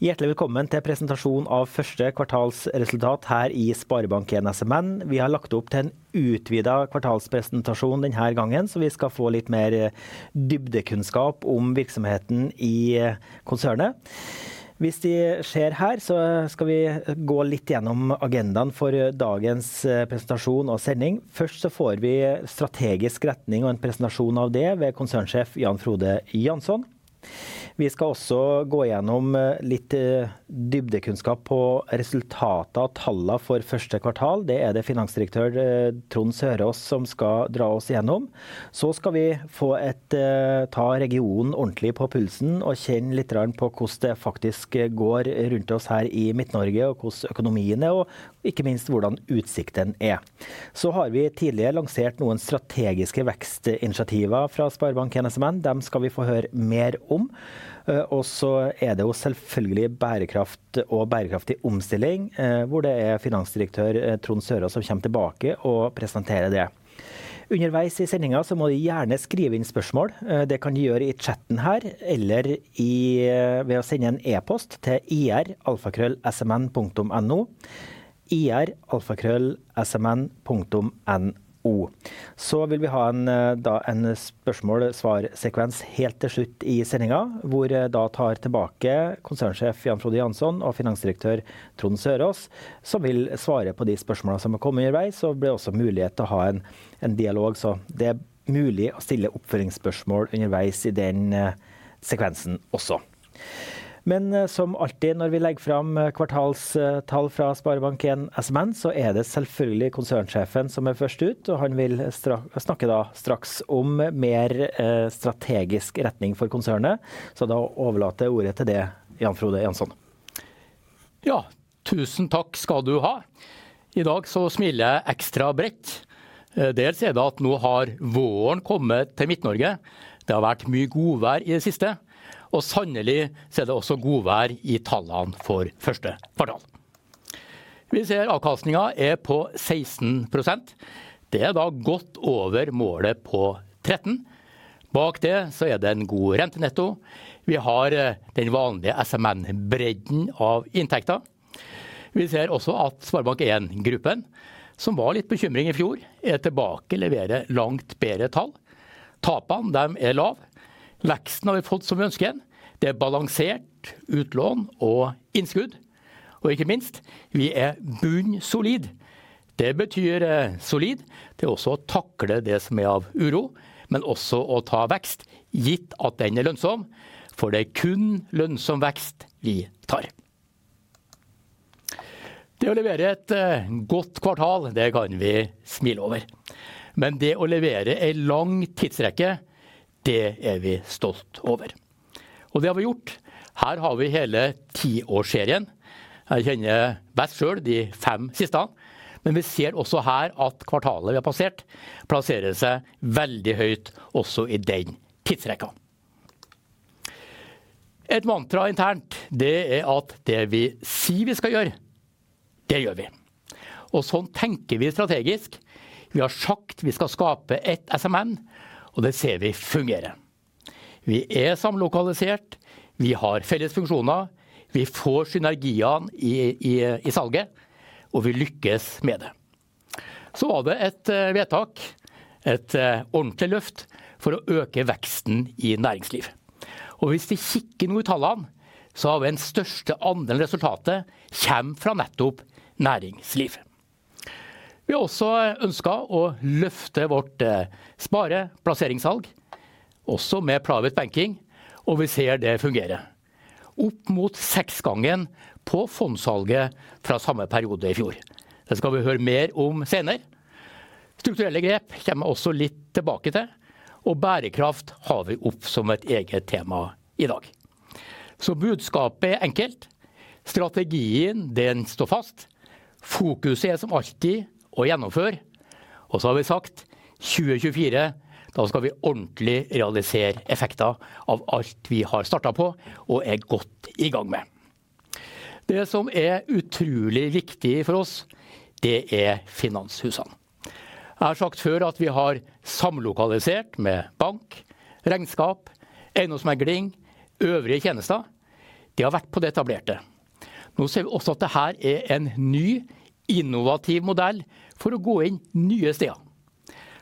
Hjertelig velkommen til presentasjonen av første kvartalsresultat her i Sparebank 1 SMN. Vi har lagt opp til en utvidet kvartalspresentasjon denne gangen, så vi skal få litt mer dybdekunnskap om virksomheten i konsernet. Hvis vi ser her så skal vi gå litt gjennom agendaen for dagens presentasjon og sending. Først så får vi strategisk retning og en presentasjon av det ved konsernsjef Jan Frode Janson. Vi skal også gå gjennom litt dybdekunnskap på resultater og tallene for første kvartal. Det er det finansdirektør Trond Sørås som skal dra oss igjennom. Vi skal få et, ta regionen ordentlig på pulsen og kjenne litt på hvordan det faktisk går rundt oss her i Midt-Norge, og hvordan økonomien er, og ikke minst hvordan utsiktene er. Vi har tidligere lansert noen strategiske vekstinitiativer fra Sparebank 1 SMN. Dem skal vi få høre mer om. Og så er det jo selvfølgelig bærekraft og bærekraftig omstilling, hvor det er finansdirektør Trond Sørås som kommer tilbake og presenterer det. Underveis i sendingen så må de gjerne skrive inn spørsmål. Det kan de gjøre i chatten her eller ved å sende en e-post til ir@smn.no. ir@smn.no. Vi vil ha en spørsmål og svar sekvens helt til slutt i sendingen, hvor konsernsjef Jan Frode Jannsson og finansdirektør Trond Sørås vil svare på de spørsmålene som har kommet underveis. Det blir også mulighet til å ha en dialog, så det er mulig å stille oppfølgingsspørsmål underveis i den sekvensen også. Men som alltid når vi legger fram kvartalstall fra Sparebank 1 SMN, så er det selvfølgelig konsernsjefen som er først ut, og han vil snakke straks om mer strategisk retning for konsernet. Så da overlater jeg ordet til deg, Jan Frode Janson. Ja, tusen takk skal du ha! I dag så smiler jeg ekstra bredt. Dels er det at nå har våren kommet til Midt-Norge. Det har vært mye godvær i det siste, og sannelig så er det også godvær i tallene for første kvartal. Vi ser avkastningen er på 16%. Det er da godt over målet på 13%. Bak det så er det en god rentenetto. Vi har den vanlige SMN bredden av inntekter. Vi ser også at Sparebank 1 gruppen, som var litt bekymring i fjor, er tilbake og leverer langt bedre tall. Tapene de er lave. Veksten har vi fått som vi ønsker den. Det er balansert utlån og innskudd. Ikke minst, vi er bunnsolid. Det betyr solid til også å takle det som er av uro, men også å ta vekst, gitt at den er lønnsom. For det er kun lønnsom vekst vi tar. Det å levere et godt kvartal, det kan vi smile over. Men det å levere en lang tidsrekke, det er vi stolt over, og det har vi gjort. Her har vi hele tiårsserien. Jeg kjenner best selv de fem siste. Men vi ser også her at kvartalet vi har passert plasserer seg veldig høyt også i den tidsrekka. Et mantra internt, det er at det vi sier vi skal gjøre, det gjør vi. Og sånn tenker vi strategisk. Vi har sagt vi skal skape ett SMN, og det ser vi fungerer. Vi er samlokalisert. Vi har felles funksjoner. Vi får synergier i salget, og vi lykkes med det. Så var det et vedtak, et ordentlig løft for å øke veksten i næringsliv. Og hvis vi kikker noe i tallene, så har vi den største andelen av resultatet kommer fra nettopp næringsliv. Vi har også ønsket å løfte vårt spareplassering salg, også med private banking, og vi ser det fungerer. Opp mot seks ganger på fondsalget fra samme periode i fjor. Det skal vi høre mer om senere. Strukturelle grep kommer jeg også litt tilbake til, og bærekraft har vi opp som et eget tema i dag. Så budskapet er enkelt. Strategien den står fast. Fokuset er som alltid å gjennomføre. Vi har sagt 2024, da skal vi ordentlig realisere effekter av alt vi har startet på og er godt i gang med. Det som er utrolig viktig for oss, det er finanshusene. Jeg har sagt før at vi har samlokalisert med bank, regnskap, eiendomsmegling, øvrige tjenester. Det har vært på det etablerte. Nå ser vi også at det her er en ny innovativ modell for å gå inn nye steder,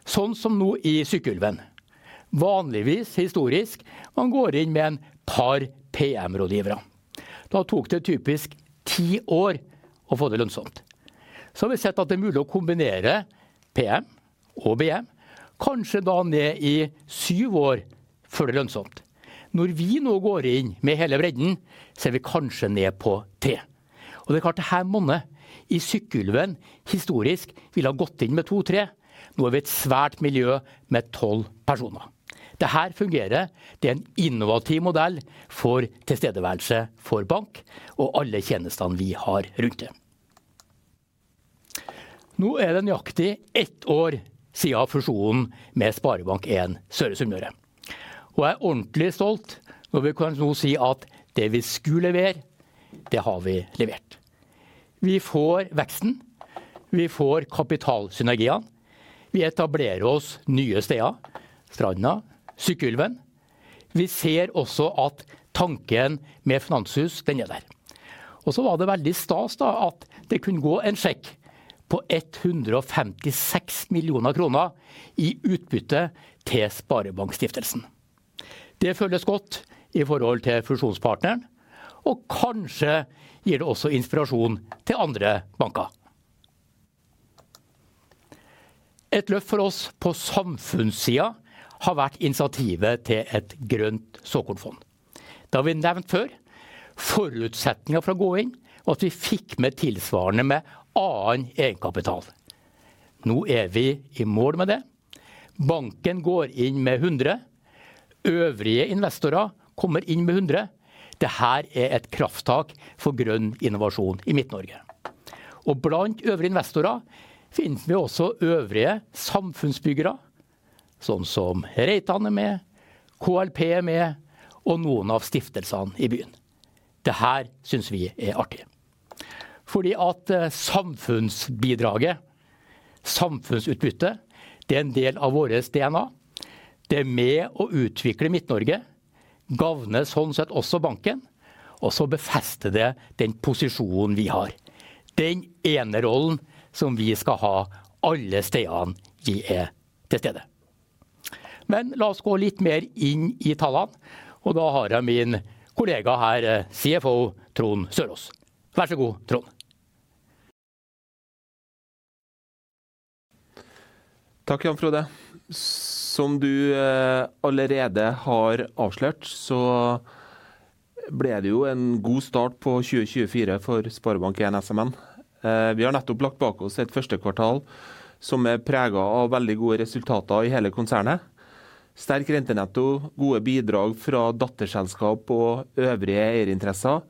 sånn som nå i Sykkylven. Vanligvis historisk, man går inn med en par PM-rådgivere. Da tok det typisk ti år å få det lønnsomt. Så har vi sett at det er mulig å kombinere PM og BM, kanskje da ned i syv år før det lønnsomt. Når vi nå går inn med hele bredden, ser vi kanskje ned på tre. Det er klart, det her monnet i Sykkylven historisk ville ha gått inn med to tre. Nå har vi et svært miljø med tolv personer. Det her fungerer. Det er en innovativ modell for tilstedeværelse for bank og alle tjenestene vi har rundt det. Nå er det nøyaktig ett år siden fusjonen med Sparebank 1 Søre Sunnmøre, og jeg er ordentlig stolt når vi kan nå si at det vi skulle levere, det har vi levert. Vi får veksten, vi får kapitalsynergiene. Vi etablerer oss nye steder, Stranda, Sykkylven. Vi ser også at tanken med finanshus, den er der. Og så var det veldig stas da, at det kunne gå en sjekk på NOK 156 millioner i utbytte til Sparebankstiftelsen. Det føles godt i forhold til fusjonspartneren, og kanskje gir det også inspirasjon til andre banker. Et løft for oss på samfunnssiden har vært initiativet til et grønt såkornfond. Det har vi nevnt før. Forutsetningen for å gå inn, var at vi fikk med tilsvarende med annen egenkapital. Nå er vi i mål med det. Banken går inn med hundre. Øvrige investorer kommer inn med hundre. Dette er et krafttak for grønn innovasjon i Midt-Norge, og blant øvrige investorer finnes vi også øvrige samfunnsbyggere. Sånn som Reitan er med, KLP er med og noen av stiftelsene i byen. Dette synes vi er artig, fordi samfunnsbidraget, samfunnsutbyttet. Det er en del av vårt DNA. Det er med å utvikle Midt-Norge, gavner sånn sett også banken. Og så befester det den posisjonen vi har, den enerollen som vi skal ha alle stedene vi er til stede. Men la oss gå litt mer inn i tallene, og da har jeg min kollega her, CFO Trond Søraas. Vær så snill, Trond! Takk, Jan Frode! Som du allerede har avslørt, så ble det jo en god start på 2024 for SpareBank 1 SMN. Vi har nettopp lagt bak oss et første kvartal som er preget av veldig gode resultater i hele konsernet. Sterk rentenetto, gode bidrag fra datterselskap og øvrige eierinteresser.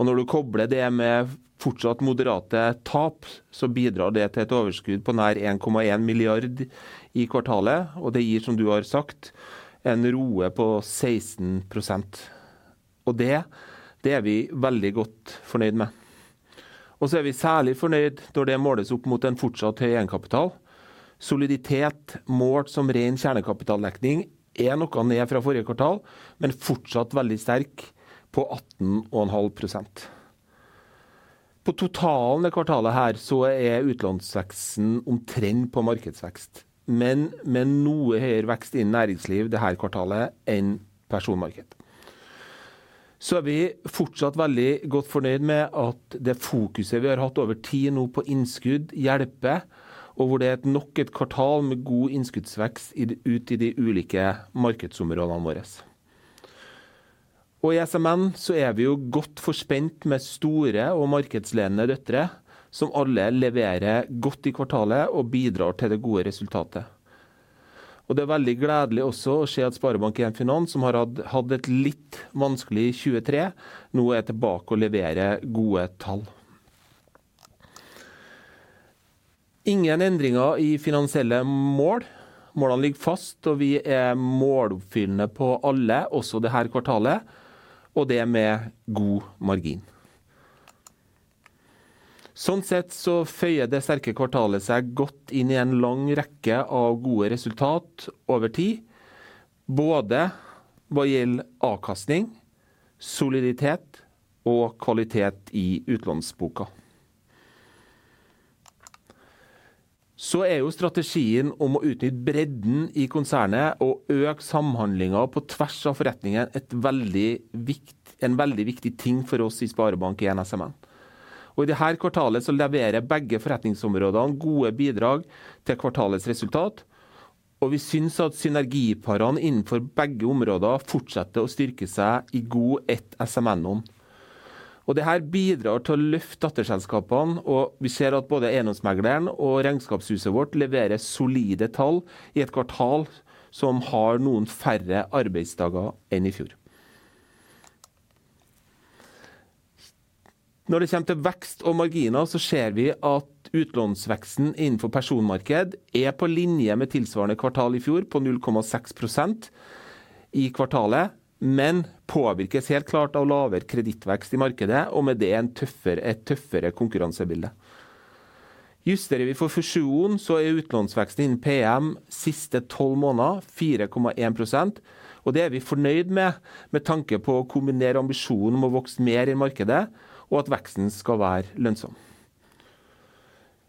Når du kobler det med fortsatt moderate tap, så bidrar det til et overskudd på nær 1,1 milliard i kvartalet. Det gir, som du har sagt, en ROE på 16%. Det er vi veldig godt fornøyd med. Vi er særlig fornøyd når det måles opp mot en fortsatt høy egenkapital. Soliditet, målt som ren kjernekapitaldekning, er noe ned fra forrige kvartal, men fortsatt veldig sterk på 18,5%. På totalen i kvartalet her så er utlånsveksten omtrent på markedsvekst, men med noe høyere vekst i næringsliv det her kvartalet enn personmarked. Vi er fortsatt veldig godt fornøyd med at det fokuset vi har hatt over tid nå på innskudd hjelper. Det er nok et kvartal med god innskuddsvekst i ut i de ulike markedsområdene våres. I SMN så er vi jo godt forspent med store og markedsledende døtre, som alle leverer godt i kvartalet og bidrar til det gode resultatet. Det er veldig gledelig også å se at Sparebank 1 Finans, som har hatt et litt vanskelig 2023, nå er tilbake og leverer gode tall. Ingen endringer i finansielle mål. Målene ligger fast og vi er måloppfyllende på alle også det her kvartalet, og det med god margin. Sånn sett så føyer det sterke kvartalet seg godt inn i en lang rekke av gode resultat over tid, både hva gjelder avkastning, soliditet og kvalitet i utlånsboken. Strategien om å utnytte bredden i konsernet og øke samhandlingen på tvers av forretningen er en veldig viktig ting for oss i SpareBank 1 SMN. I dette kvartalet så leverer begge forretningsområdene gode bidrag til kvartalets resultat, og vi synes at synergiparene innenfor begge områder fortsetter å styrke seg i god SMN. Dette bidrar til å løfte datterselskapene, og vi ser at både Eiendomsmegleren og regnskapshuset vårt leverer solide tall i et kvartal som har noen færre arbeidsdager enn i fjor. Når det kommer til vekst og marginer, så ser vi at utlånsveksten innenfor personmarked er på linje med tilsvarende kvartal i fjor, på 0,6% i kvartalet. Men påvirkes helt klart av lavere kredittvekst i markedet, og med det et tøffere konkurransebilde. Justerer vi for fusjonen, så er utlånsveksten innen PM siste tolv måneder 4,1%. Det er vi fornøyd med, med tanke på å kombinere ambisjonen om å vokse mer i markedet og at veksten skal være lønnsom.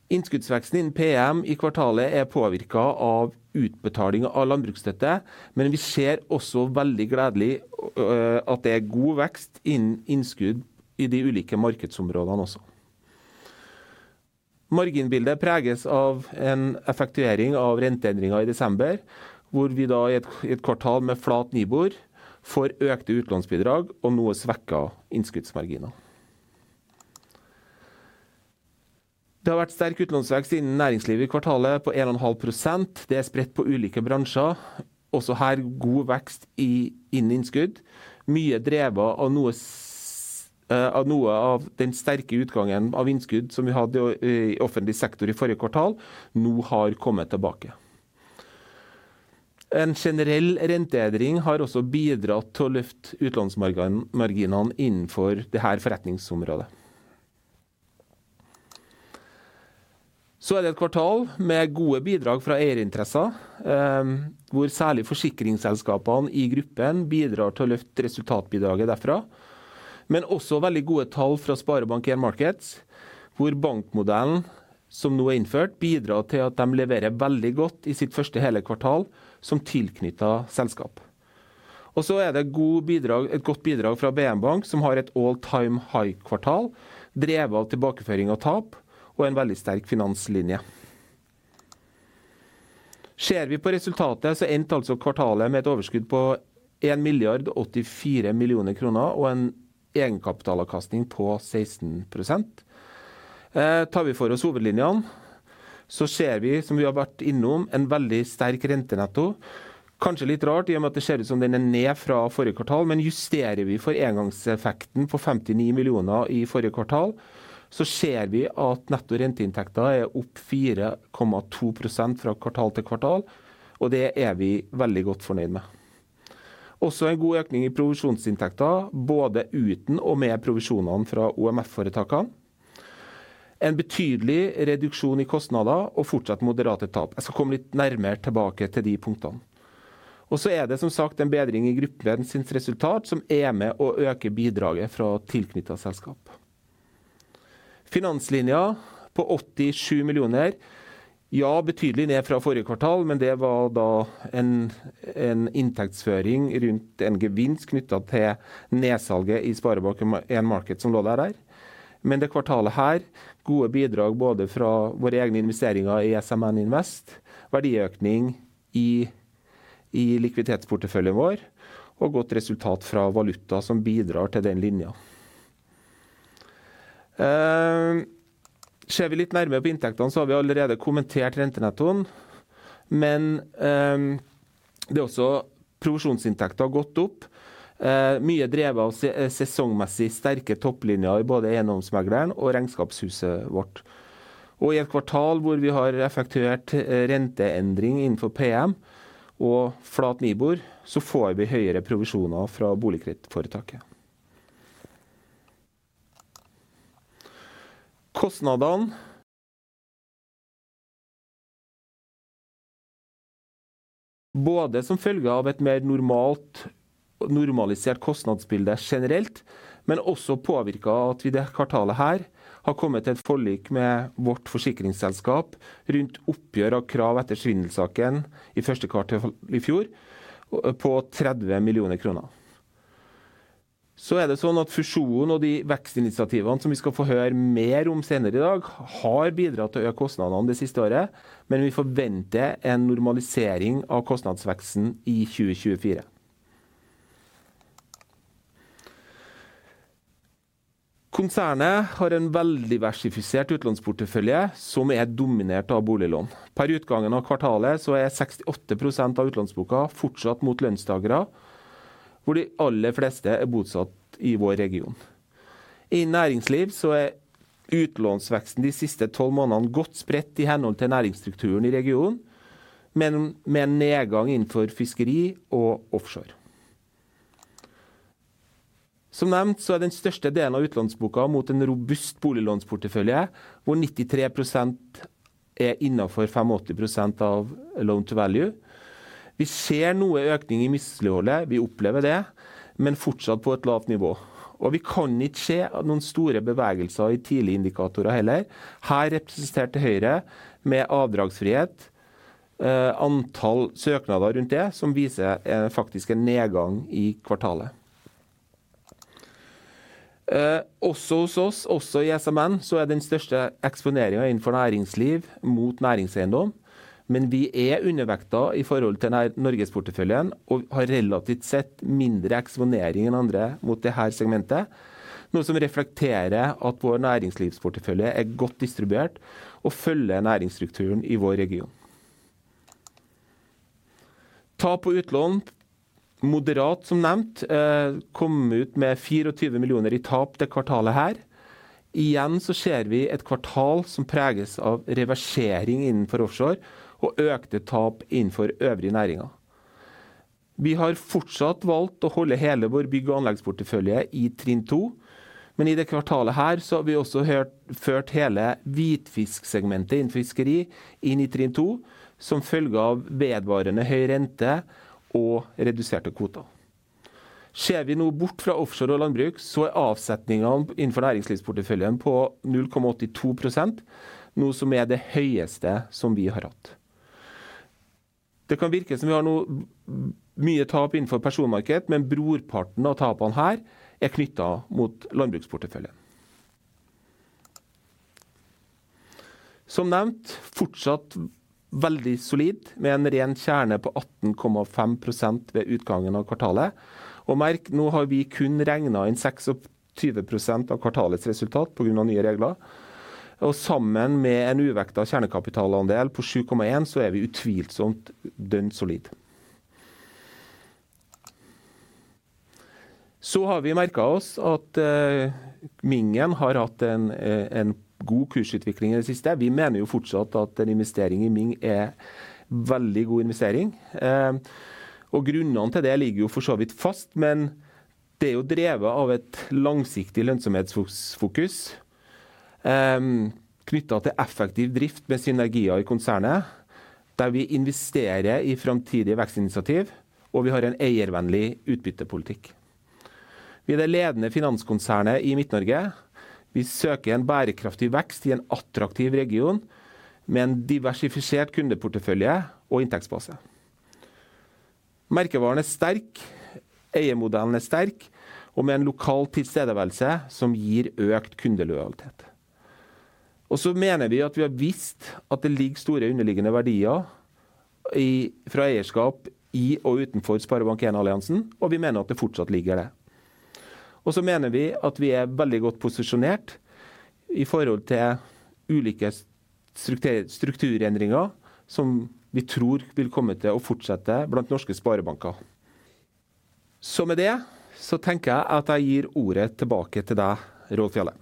Innskuddsveksten innen PM i kvartalet er påvirket av utbetalinger av landbruksstøtte. Men vi ser også veldig gledelig at det er god vekst innen innskudd i de ulike markedsområdene også. Marginbildet preges av en effektuering av renteendringer i desember, hvor vi da i et kvartal med flat Nibor får økte utlånsbidrag og noe svekket innskuddsmarginer. Det har vært sterk utlånsvekst innen næringslivet i kvartalet på 1,5%. Det er spredt på ulike bransjer. Også her god vekst i innskudd, mye drevet av noe av den sterke utgangen av innskudd som vi hadde i offentlig sektor i forrige kvartal, nå har kommet tilbake. En generell renteendring har også bidratt til å løfte utlånsmarginene, marginene innenfor det her forretningsområdet. Så er det et kvartal med gode bidrag fra eierinteresser, hvor særlig forsikringsselskapene i gruppen bidrar til å løfte resultatbidraget derfra. Men også veldig gode tall fra Sparebank 1 Markets, hvor bankmodellen som nå er innført, bidrar til at de leverer veldig godt i sitt første hele kvartal som tilknyttet selskap. Og så er det godt bidrag fra BN Bank, som har et all time high kvartal, drevet av tilbakeføring av tap og en veldig sterk finanslinje. Ser vi på resultatet, så endte altså kvartalet med et overskudd på NOK 1,084 millioner og en egenkapitalavkastning på 16%. Tar vi for oss hovedlinjene så ser vi, som vi har vært innom, en veldig sterk rentenetto. Kanskje litt rart i og med at det ser ut som den er ned fra forrige kvartal. Men justerer vi for engangseffekten på NOK 50 millioner i forrige kvartal, så ser vi at netto renteinntekter er opp 4,2% fra kvartal til kvartal. Det er vi veldig godt fornøyd med. Også en god økning i provisjonsinntekter, både uten og med provisjonene fra OMF-foretakene. En betydelig reduksjon i kostnader og fortsatt moderate tap. Jeg skal komme litt nærmere tilbake til de punktene. Så er det som sagt en bedring i gruppens resultat, som er med å øke bidraget fra tilknyttede selskap. Finanslinjen på NOK 87 millioner. Ja, betydelig ned fra forrige kvartal, men det var da en inntektsføring rundt en gevinst knyttet til nedsalget i Sparebank en Market som lå der. Men det kvartalet her, gode bidrag både fra våre egne investeringer i SMN Invest, verdiøkning i likviditetsporteføljen vår og godt resultat fra valuta som bidrar til den linjen. Ser vi litt nærmere på inntektene, så har vi allerede kommentert rentenettoen. Men det er også provisjonsinntekter har gått opp, mye drevet av sesongmessig sterke topplinjer i både Eiendomsmegleren og Regnskapshuset vårt. Og i et kvartal hvor vi har effektuert renteendring innenfor PM og flat Nibor, så får vi høyere provisjoner fra boligkredittforetaket. Kostnadene. Både som følge av et mer normalt normalisert kostnadsbilde generelt, men også påvirket at vi i det kvartalet her har kommet til et forlik med vårt forsikringsselskap rundt oppgjør av krav etter svindelsaken i første kvartal i fjor, på 30 millioner kroner. Det er sånn at fusjonen og de vekstinitiativene som vi skal få høre mer om senere i dag, har bidratt til å øke kostnadene det siste året. Men vi forventer en normalisering av kostnadsveksten i 2024. Konsernet har en veldig diversifisert utlånsportefølje som er dominert av boliglån. Per utgangen av kvartalet så er 66% av utlånsboken fortsatt mot lønnstakere, hvor de aller fleste er bosatt i vår region. I næringsliv så er utlånsveksten de siste tolv månedene godt spredt i henhold til næringsstrukturen i regionen, men med en nedgang innenfor fiskeri og offshore. Som nevnt så er den største delen av utlånsboken mot en robust boliglånsportefølje, hvor 93% er innenfor 5% og 80% av loan to value. Vi ser noe økning i misligholdet. Vi opplever det, men fortsatt på et lavt nivå, og vi kan ikke se noen store bevegelser i tidligindikatorer heller. Her representert til høyre med avdragsfrihet, antall søknader rundt det som viser en faktisk en nedgang i kvartalet. Også hos oss, også i SMN, så er den største eksponeringen innenfor næringsliv mot næringseiendom. Men vi er undervekta i forhold til Norges porteføljen og har relativt sett mindre eksponering enn andre mot det her segmentet, noe som reflekterer at vår næringslivsportefølje er godt distribuert og følger næringsstrukturen i vår region. Tap på utlån. Moderat som nevnt, kom ut med 24 millioner i tap det kvartalet her. Igjen så ser vi et kvartal som preges av reversering innenfor offshore og økte tap innenfor øvrige næringer. Vi har fortsatt valgt å holde hele vår bygg og anleggsportefølje i trinn to, men i det kvartalet her så har vi også ført hele hvitfisksegmentet innen fiskeri inn i trinn to, som følge av vedvarende høy rente og reduserte kvoter. Ser vi nå bort fra offshore og landbruk, så er avsetningene innenfor næringslivsporteføljen på 0,82%, noe som er det høyeste som vi har hatt. Det kan virke som vi har noe mye tap innenfor personmarked, men brorparten av tapene her er knyttet mot landbruksporteføljen. Som nevnt fortsatt veldig solid, med en ren kjerne på 18,5% ved utgangen av kvartalet. Merk, nå har vi kun regnet inn 26% av kvartalets resultat på grunn av nye regler. Og sammen med en uvektet kjernekapitalandel på 7,1%, så er vi utvilsomt dønn solid. Så har vi merket oss at Mingen har hatt en god kursutvikling i det siste. Vi mener jo fortsatt at en investering i Ming er veldig god investering, og grunnene til det ligger jo for så vidt fast. Men det er jo drevet av et langsiktig lønnsomhetsfokus, knyttet til effektiv drift med synergier i konsernet, der vi investerer i fremtidige vekstinitiativ og vi har en eiervennlig utbyttepolitikk. Vi er det ledende finanskonsernet i Midt-Norge. Vi søker en bærekraftig vekst i en attraktiv region med en diversifisert kundeportefølje og inntektsbase. Merkevaren er sterk, eiermodellen er sterk og med en lokal tilstedeværelse som gir økt kundelojalitet. Og så mener vi at vi har vist at det ligger store underliggende verdier i fra eierskap i og utenfor Sparebank 1 Alliansen. Og vi mener at det fortsatt ligger der. Og så mener vi at vi er veldig godt posisjonert i forhold til ulike strukturendringer som vi tror vil komme til å fortsette blant norske sparebanker. Så med det så tenker jeg at jeg gir ordet tilbake til deg, Roar Fjalle.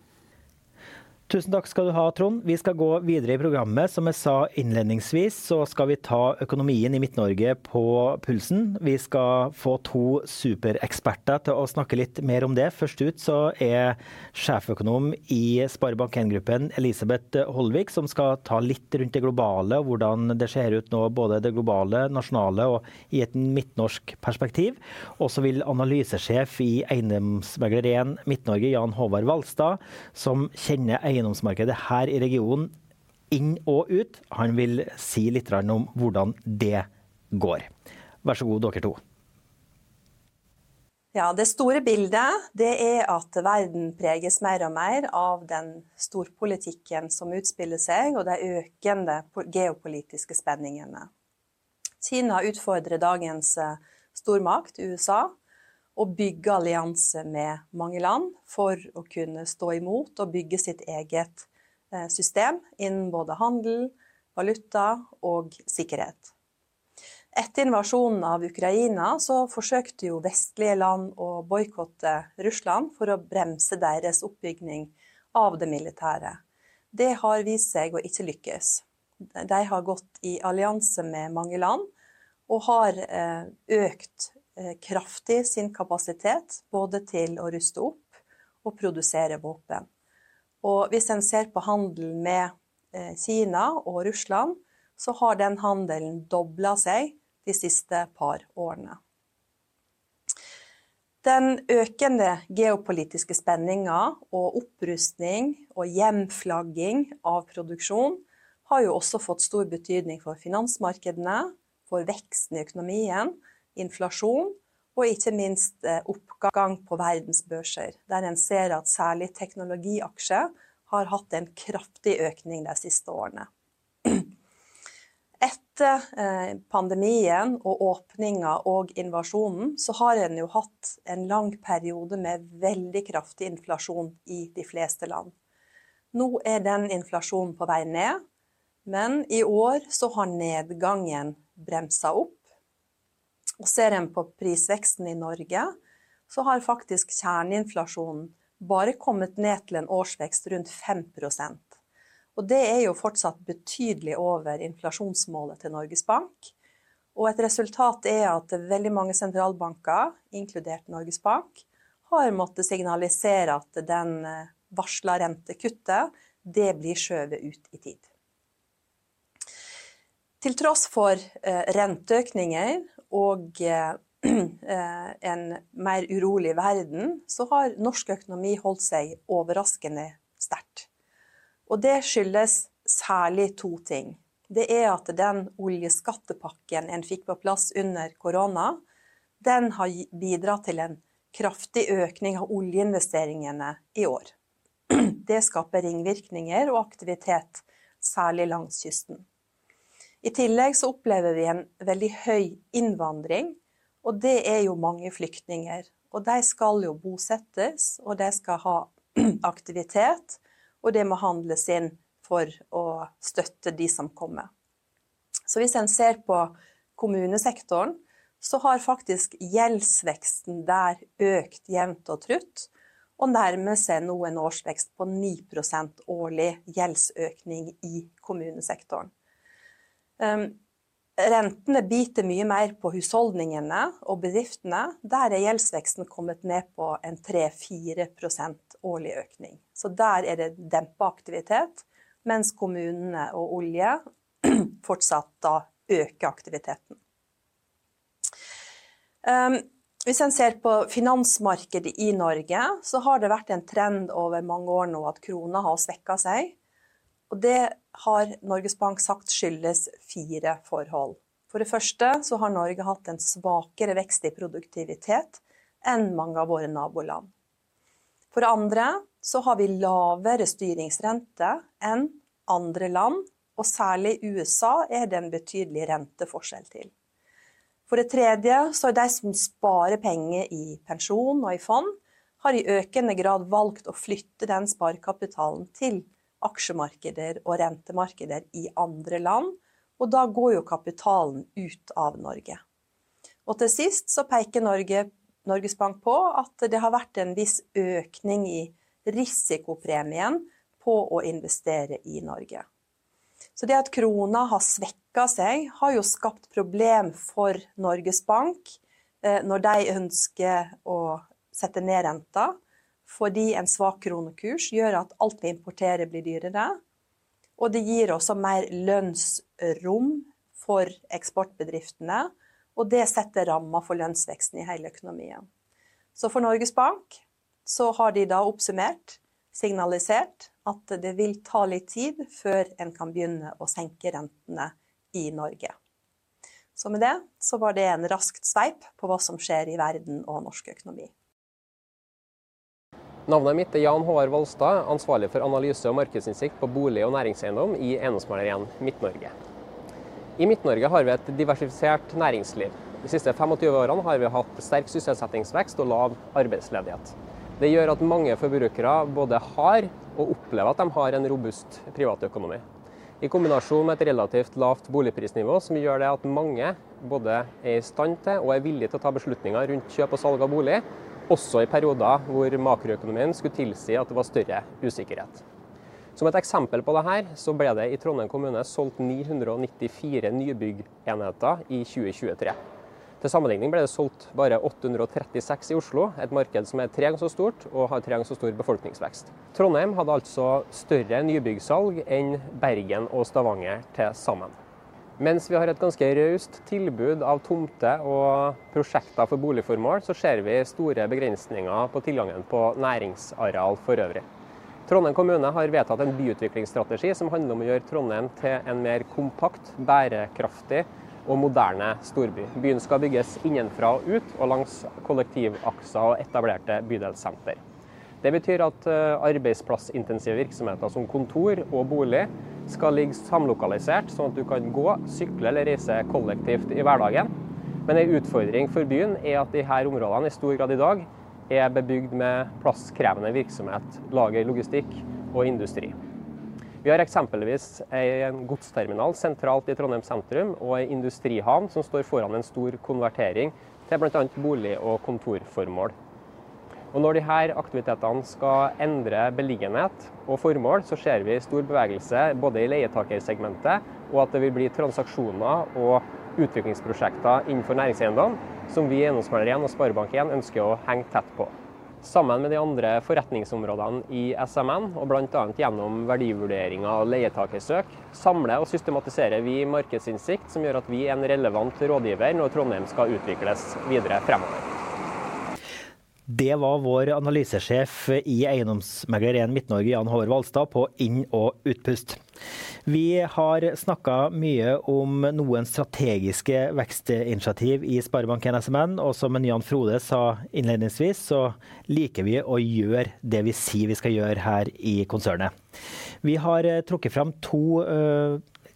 Tusen takk skal du ha, Trond! Vi skal gå videre i programmet. Som jeg sa innledningsvis så skal vi ta økonomien i Midt-Norge på pulsen. Vi skal få to supereksperter til å snakke litt mer om det. Først ut så er sjeføkonom i Sparebank 1 Gruppen, Elisabeth Holvik, som skal ta litt rundt det globale og hvordan det ser ut nå, både det globale, nasjonale og i et midtnorsk perspektiv. Og så vil analysesjef i Eiendomsmegler1 Midt-Norge, Jan Håvard Walstad, som kjenner eiendomsmarkedet her i regionen inn og ut. Han vil si litt om hvordan det går. Vær så snill, dere to! Ja, det store bildet det er at verden preges mer og mer av den storpolitikken som utspiller seg og de økende geopolitiske spenningene. Kina utfordrer dagens stormakt, USA, og bygger allianser med mange land for å kunne stå imot og bygge sitt eget system innen både handel, valuta og sikkerhet. Etter invasjonen av Ukraina så forsøkte jo vestlige land å boikotte Russland for å bremse deres oppbygning av det militære. Det har vist seg å ikke lykkes. De har gått i allianse med mange land og har økt kraftig sin kapasitet både til å ruste opp og produsere våpen. Hvis en ser på handelen med Kina og Russland, så har den handelen doblet seg de siste par årene. De økende geopolitiske spenningene og opprustning og hjemflagging av produksjon har også fått stor betydning for finansmarkedene, for veksten i økonomien, inflasjon og ikke minst oppgang på verdens børser, der en ser at særlig teknologiaksjer har hatt en kraftig økning de siste årene. Etter pandemien og åpningen og invasjonen så har en hatt en lang periode med veldig kraftig inflasjon i de fleste land. Nå er den inflasjonen på vei ned, men i år så har nedgangen bremset opp. Ser en på prisveksten i Norge, så har faktisk kjerneinflasjonen bare kommet ned til en årsvekst rundt 5%. Det er fortsatt betydelig over inflasjonsmålet til Norges Bank. Et resultat er at veldig mange sentralbanker, inkludert Norges Bank, har måttet signalisere at den varslede rentekuttet det blir skjøvet ut i tid. Til tross for renteøkninger og en mer urolig verden, så har norsk økonomi holdt seg overraskende sterkt. Og det skyldes særlig to ting. Det er at den oljeskattepakken en fikk på plass under korona, den har bidratt til en kraftig økning av oljeinvesteringene i år. Det skaper ringvirkninger og aktivitet, særlig langs kysten. I tillegg så opplever vi en veldig høy innvandring, og det er jo mange flyktninger. Og de skal jo bosettes, og de skal ha aktivitet, og det må handles inn for å støtte de som kommer. Så hvis en ser på kommunesektoren, så har faktisk gjeldsveksten der økt jevnt og trutt, og nærmer seg nå en årsvekst på 9% årlig gjeldsøkning i kommunesektoren. Rentene biter mye mer på husholdningene og bedriftene. Der er gjeldsveksten kommet ned på en 3-4% årlig økning. Der er det dempet aktivitet, mens kommunene og olje fortsatt øker aktiviteten. Hvis en ser på finansmarkedet i Norge, så har det vært en trend over mange år nå at kronen har svekket seg. Det har Norges Bank sagt skyldes fire forhold. For det første så har Norge hatt en svakere vekst i produktivitet enn mange av våre naboland. For det andre så har vi lavere styringsrente enn andre land, og særlig USA er det en betydelig renteforskjell til. For det tredje, så er de som sparer penger i pensjon og i fond har i økende grad valgt å flytte den sparekapitalen til aksjemarkeder og rentemarkeder i andre land. Da går jo kapitalen ut av Norge. Til sist så peker Norges Bank på at det har vært en viss økning i risikopremien på å investere i Norge. Det at krona har svekket seg har skapt problem for Norges Bank når de ønsker å sette ned renta, fordi en svak kronekurs gjør at alt vi importerer blir dyrere, og det gir også mer lønnsrom for eksportbedriftene, og det setter rammen for lønnsveksten i hele økonomien. For Norges Bank har de oppsummert signalisert at det vil ta litt tid før en kan begynne å senke rentene i Norge. Med det var det en rask sveip på hva som skjer i verden og norsk økonomi. Navnet mitt er Jan Håvard Vollstad, ansvarlig for analyse og markedsinnsikt på bolig og næringseiendom i Eiendomsmegler 1 Midt-Norge. I Midt-Norge har vi et diversifisert næringsliv. De siste tjuefem årene har vi hatt sterk sysselsettingsvekst og lav arbeidsledighet. Det gjør at mange forbrukere både har og opplever at de har en robust privatøkonomi. I kombinasjon med et relativt lavt boligprisnivå, som gjør det at mange både er i stand til og er villig til å ta beslutninger rundt kjøp og salg av bolig. Også i perioder hvor makroøkonomien skulle tilsi at det var større usikkerhet. Som et eksempel på det her, så ble det i Trondheim kommune solgt 994 nybygg enheter i 2023. Til sammenligning ble det solgt bare 836 i Oslo. Et marked som er tre ganger så stort og har tre ganger så stor befolkningsvekst. Trondheim hadde altså større nybyggsalg enn Bergen og Stavanger til sammen. Mens vi har et ganske raust tilbud av tomter og prosjekter for boligformål, så ser vi store begrensninger på tilgangen på næringsareal forøvrig. Trondheim kommune har vedtatt en byutviklingsstrategi som handler om å gjøre Trondheim til en mer kompakt, bærekraftig og moderne storby. Byen skal bygges innenfra og ut og langs kollektivakser og etablerte bydelsenter. Det betyr at arbeidsplassintensive virksomheter som kontor og bolig skal ligge samlokalisert, sånn at du kan gå, sykle eller reise kollektivt i hverdagen. Men en utfordring for byen er at disse områdene i stor grad i dag er bebygd med plasskrevende virksomhet, lager, logistikk og industri. Vi har eksempelvis en godsterminal sentralt i Trondheim sentrum og en industrihavn som står foran en stor konvertering til blant annet bolig og kontorformål. Og når de her aktivitetene skal endre beliggenhet og formål, så ser vi stor bevegelse både i leietakersegmentet og at det vil bli transaksjoner og utviklingsprosjekter innenfor næringseiendom som vi i Eiendomsmegler 1 og Sparebanken ønsker å henge tett på. Sammen med de andre forretningsområdene i SMN, og blant annet gjennom verdivurderinger og leietakersøk, samler og systematiserer vi markedsinnsikt som gjør at vi er en relevant rådgiver når Trondheim skal utvikles videre fremover. Det var vår analysesjef i Eiendomsmegler 1 Midt-Norge, Jan Håvard Vollstad, på inn og utpust. Vi har snakket mye om noen strategiske vekstinitiativ i Sparebank 1 SMN. Som Jan Frode sa innledningsvis, så liker vi å gjøre det vi sier vi skal gjøre her i konsernet. Vi har trukket fram to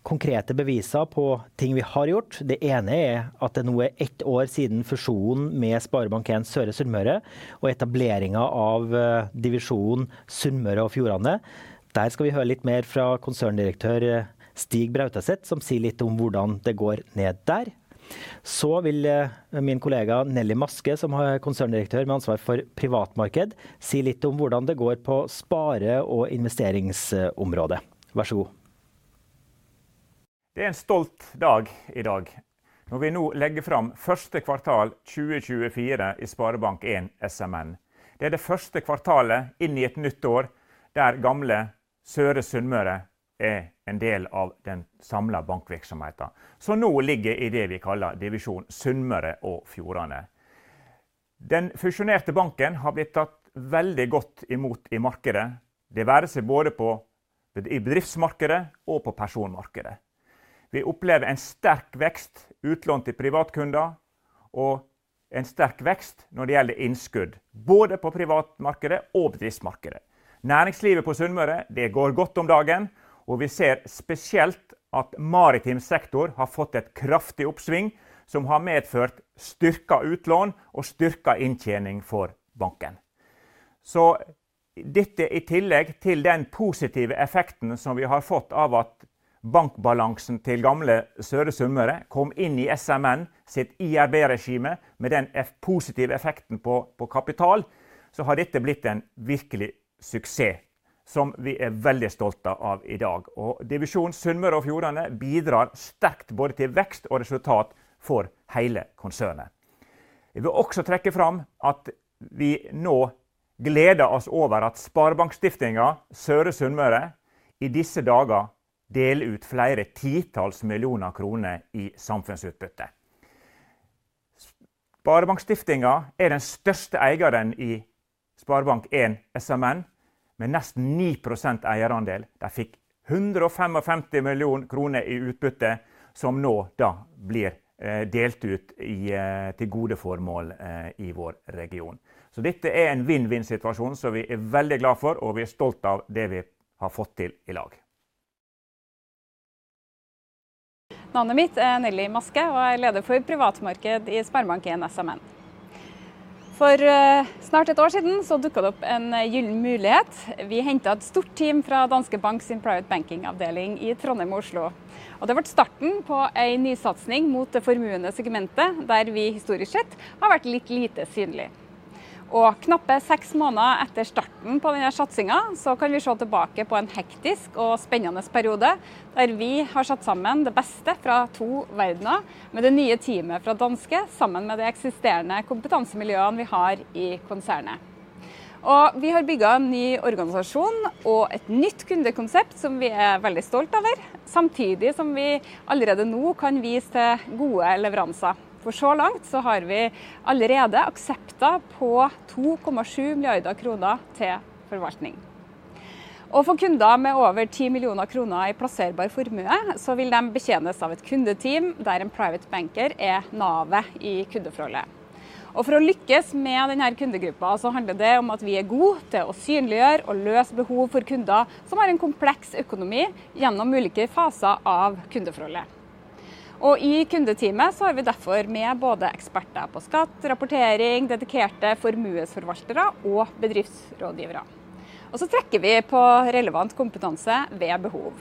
konkrete beviser på ting vi har gjort. Det ene er at det nå er ett år siden fusjonen med Sparebank 1 Søre Sunnmøre og etableringen av divisjonen Sunnmøre og Fjordane. Der skal vi høre litt mer fra konserndirektør Stig Brautaset, som sier litt om hvordan det går ned der. Min kollega Nelly Maske, som har konserndirektør med ansvar for privatmarked, vil si litt om hvordan det går på spare- og investeringsområdet. Vær så snill! Det er en stolt dag i dag når vi nå legger fram første kvartal 2024 i Sparebank 1 SMN. Det er det første kvartalet inn i et nytt år, der gamle Søre Sunnmøre er en del av den samlede bankvirksomheten, som nå ligger i det vi kaller divisjon Sunnmøre og Fjordane. Den fusjonerte banken har blitt tatt veldig godt i mot i markedet, det være seg både på bedriftsmarkedet og på personmarkedet. Vi opplever en sterk vekst utlån til privatkunder og en sterk vekst når det gjelder innskudd, både på privatmarkedet og bedriftsmarkedet. Næringslivet på Sunnmøre går godt om dagen, og vi ser spesielt at maritim sektor har fått et kraftig oppsving som har medført styrket utlån og styrket inntjening for banken. Dette i tillegg til den positive effekten som vi har fått av at bankbalansen til gamle Søre Sunnmøre kom inn i SMN sitt IRB-regime. Med den positive effekten på kapital, så har dette blitt en virkelig suksess som vi er veldig stolte av i dag. Divisjon Sunnmøre og Fjordane bidrar sterkt både til vekst og resultat for hele konsernet. Jeg vil også trekke fram at vi nå gleder oss over at Sparebankstiftelsen Søre Sunnmøre i disse dager deler ut flere titalls millioner kroner i samfunnsutbytte. Sparebankstiftelsen er den største eieren i Sparebank 1 SMN med nesten 9% eierandel. De fikk NOK 155 millioner i utbytte, som nå blir delt ut til gode formål i vår region. Dette er en vinn-vinn situasjon som vi er veldig glad for, og vi er stolt av det vi har fått til sammen. Navnet mitt er Nelly Maske, og jeg er leder for privatmarked i Sparebank 1 SMN. For snart et år siden så dukket det opp en gyllen mulighet. Vi hentet et stort team fra Danske Bank sin Private Banking avdeling i Trondheim og Oslo, og det ble starten på en nysatsing mot det formuende segmentet der vi historisk sett har vært litt lite synlig. Og knappe seks måneder etter starten på den satsingen så kan vi se tilbake på en hektisk og spennende periode der vi har satt sammen det beste fra to verdener med det nye teamet fra Danske sammen med det eksisterende kompetansemiljøene vi har i konsernet. Og vi har bygget en ny organisasjon og et nytt kundekonsept som vi er veldig stolt over, samtidig som vi allerede nå kan vise til gode leveranser. For så langt så har vi allerede akseptert på 2,7 milliarder kroner til forvaltning. For kunder med over 10 millioner kroner i plasserbar formue, så vil de betjenes av et kundeteam der en private banker er navet i kundeforholdet. For å lykkes med den her kundegruppen, så handler det om at vi er gode til å synliggjøre og løse behov for kunder som har en kompleks økonomi gjennom ulike faser av kundeforholdet. I kundeteamet så har vi derfor med både eksperter på skatt, rapportering, dedikerte formuesforvaltere og bedriftsrådgivere. Så trekker vi på relevant kompetanse ved behov.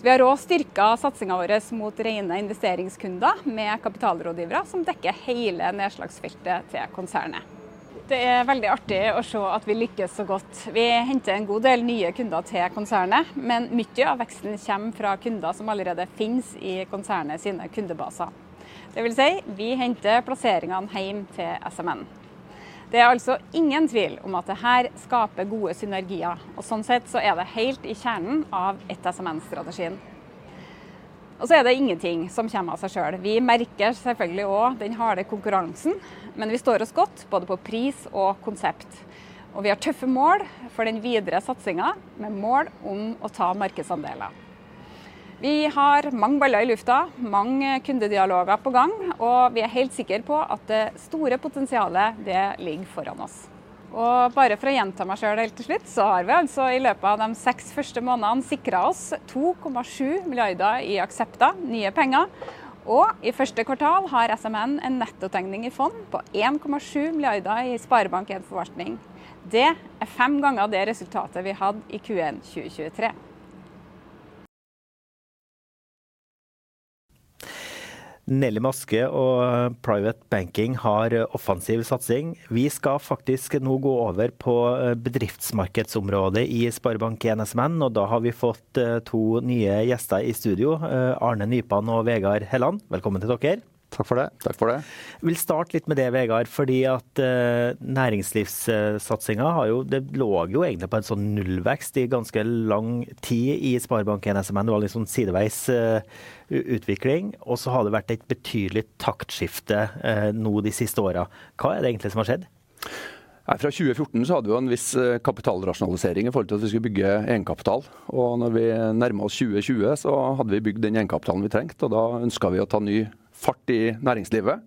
Vi har også styrket satsingen våres mot rene investeringskunder med kapitalrådgivere som dekker hele nedslagsfeltet til konsernet. Det er veldig artig å se at vi lykkes så godt. Vi henter en god del nye kunder til konsernet, men mye av veksten kommer fra kunder som allerede finnes i konsernets kundebaser. Det vil si, vi henter plasseringene hjem til SMN. Det er altså ingen tvil om at det her skaper gode synergier, og sånn sett så er det helt i kjernen av SMN-strategien. Ingenting kommer av seg selv. Vi merker selvfølgelig også den harde konkurransen, men vi står oss godt både på pris og konsept. Vi har tøffe mål for den videre satsingen, med mål om å ta markedsandeler. Vi har mange baller i lufta, mange kundedialoger på gang, og vi er helt sikker på at det store potensialet ligger foran oss. Og bare for å gjenta meg selv helt til slutt, så har vi altså i løpet av de seks første månedene sikret oss 2,7 milliarder i aksepter, nye penger. Og i første kvartal har SMN en netto tegning i fond på 1,7 milliarder i Sparebank 1 Forvaltning. Det er fem ganger det resultatet vi hadde i Q1 2023. Nelly Maske og Private Banking har offensiv satsing. Vi skal faktisk nå gå over på bedriftsmarkedsområdet i Sparebank 1 SMN. Og da har vi fått to nye gjester i studio, Arne Nypan og Vegard Helland. Velkommen til dere! Takk for det. Takk for det! Vi vil starte litt med det, Vegard, fordi næringslivssatsingen har jo, det lå jo egentlig på en sånn nullvekst i ganske lang tid i Sparebank 1 SMN. Det var litt sånn sideveis utvikling, og så har det vært et betydelig taktskifte nå de siste årene. Hva er det egentlig som har skjedd? Nei, fra 2014 så hadde vi en viss kapitalrasjonalisering i forhold til at vi skulle bygge egenkapital. Og når vi nærmer oss 2020 så hadde vi bygd den egenkapitalen vi trengte, og da ønsket vi å ta ny fart i næringslivet.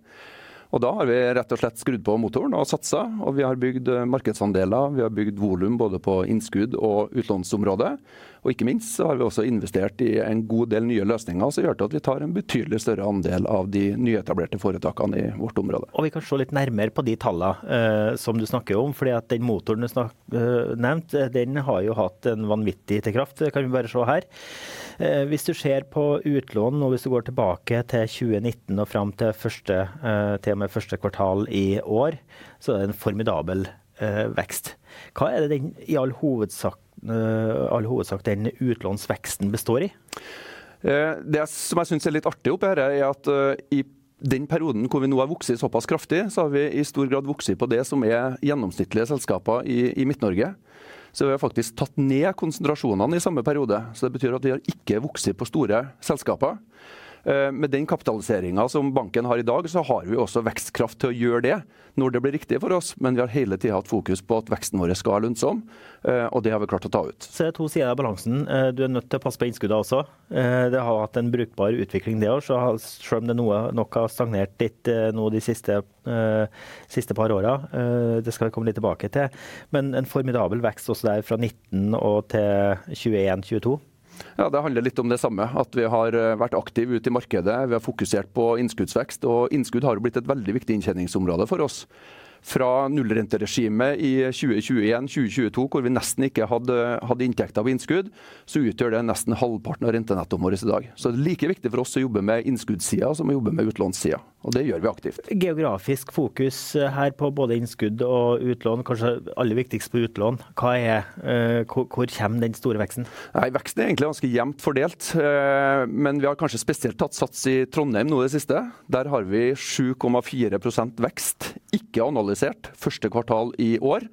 Da har vi rett og slett skrudd på motoren og satset. Vi har bygd markedsandeler. Vi har bygd volum både på innskudd og utlånsområdet. Ikke minst så har vi også investert i en god del nye løsninger som gjør at vi tar en betydelig større andel av de nyetablerte foretakene i vårt område. Og vi kan se litt nærmere på de tallene, som du snakker om. Fordi den motoren du nevnte, den har jo hatt en vanvittig kraft. Det kan vi bare se her. Hvis du ser på utlånene, og hvis du går tilbake til 2019 og fram til første, til og med første kvartal i år, så er det en formidabel vekst. Hva er det den i all hovedsak, all hovedsak den utlånsveksten består i? Det som jeg synes er litt artig å se er at i den perioden hvor vi nå har vokst såpass kraftig, så har vi i stor grad vokst på det som er gjennomsnittlige selskaper i Midt-Norge. Så vi har faktisk tatt ned konsentrasjonene i samme periode. Så det betyr at vi har ikke vokst på store selskaper. Med den kapitaliseringen som banken har i dag, så har vi også vekstkraft til å gjøre det når det blir riktig for oss. Men vi har hele tiden hatt fokus på at veksten vår skal være lønnsom, og det har vi klart å ta ut. Så er det to sider av balansen. Du er nødt til å passe på innskuddet også. Det har hatt en brukbar utvikling det også, selv om det nok har stagnert litt nå de siste par årene. Det skal vi komme litt tilbake til. Men en formidabel vekst også der fra 2019 til 2021, 2022. Ja, det handler litt om det samme, at vi har vært aktive ute i markedet. Vi har fokusert på innskuddsvekst, og innskudd har blitt et veldig viktig inntektsområde for oss. Fra nullrenteregimet i 2021/2022, hvor vi nesten ikke hadde inntekter på innskudd, så utgjør det nesten halvparten av rentenettoen vår i dag. Så det er like viktig for oss å jobbe med innskuddssiden som å jobbe med utlånssiden. Og det gjør vi aktivt. Geografisk fokus her på både innskudd og utlån. Kanskje aller viktigst på utlån. Hva er hvor kommer den store veksten? Nei, veksten er ganske jevnt fordelt. Men vi har kanskje spesielt satset i Trondheim nå i det siste. Der har vi 7,4% vekst, ikke analysert første kvartal i år.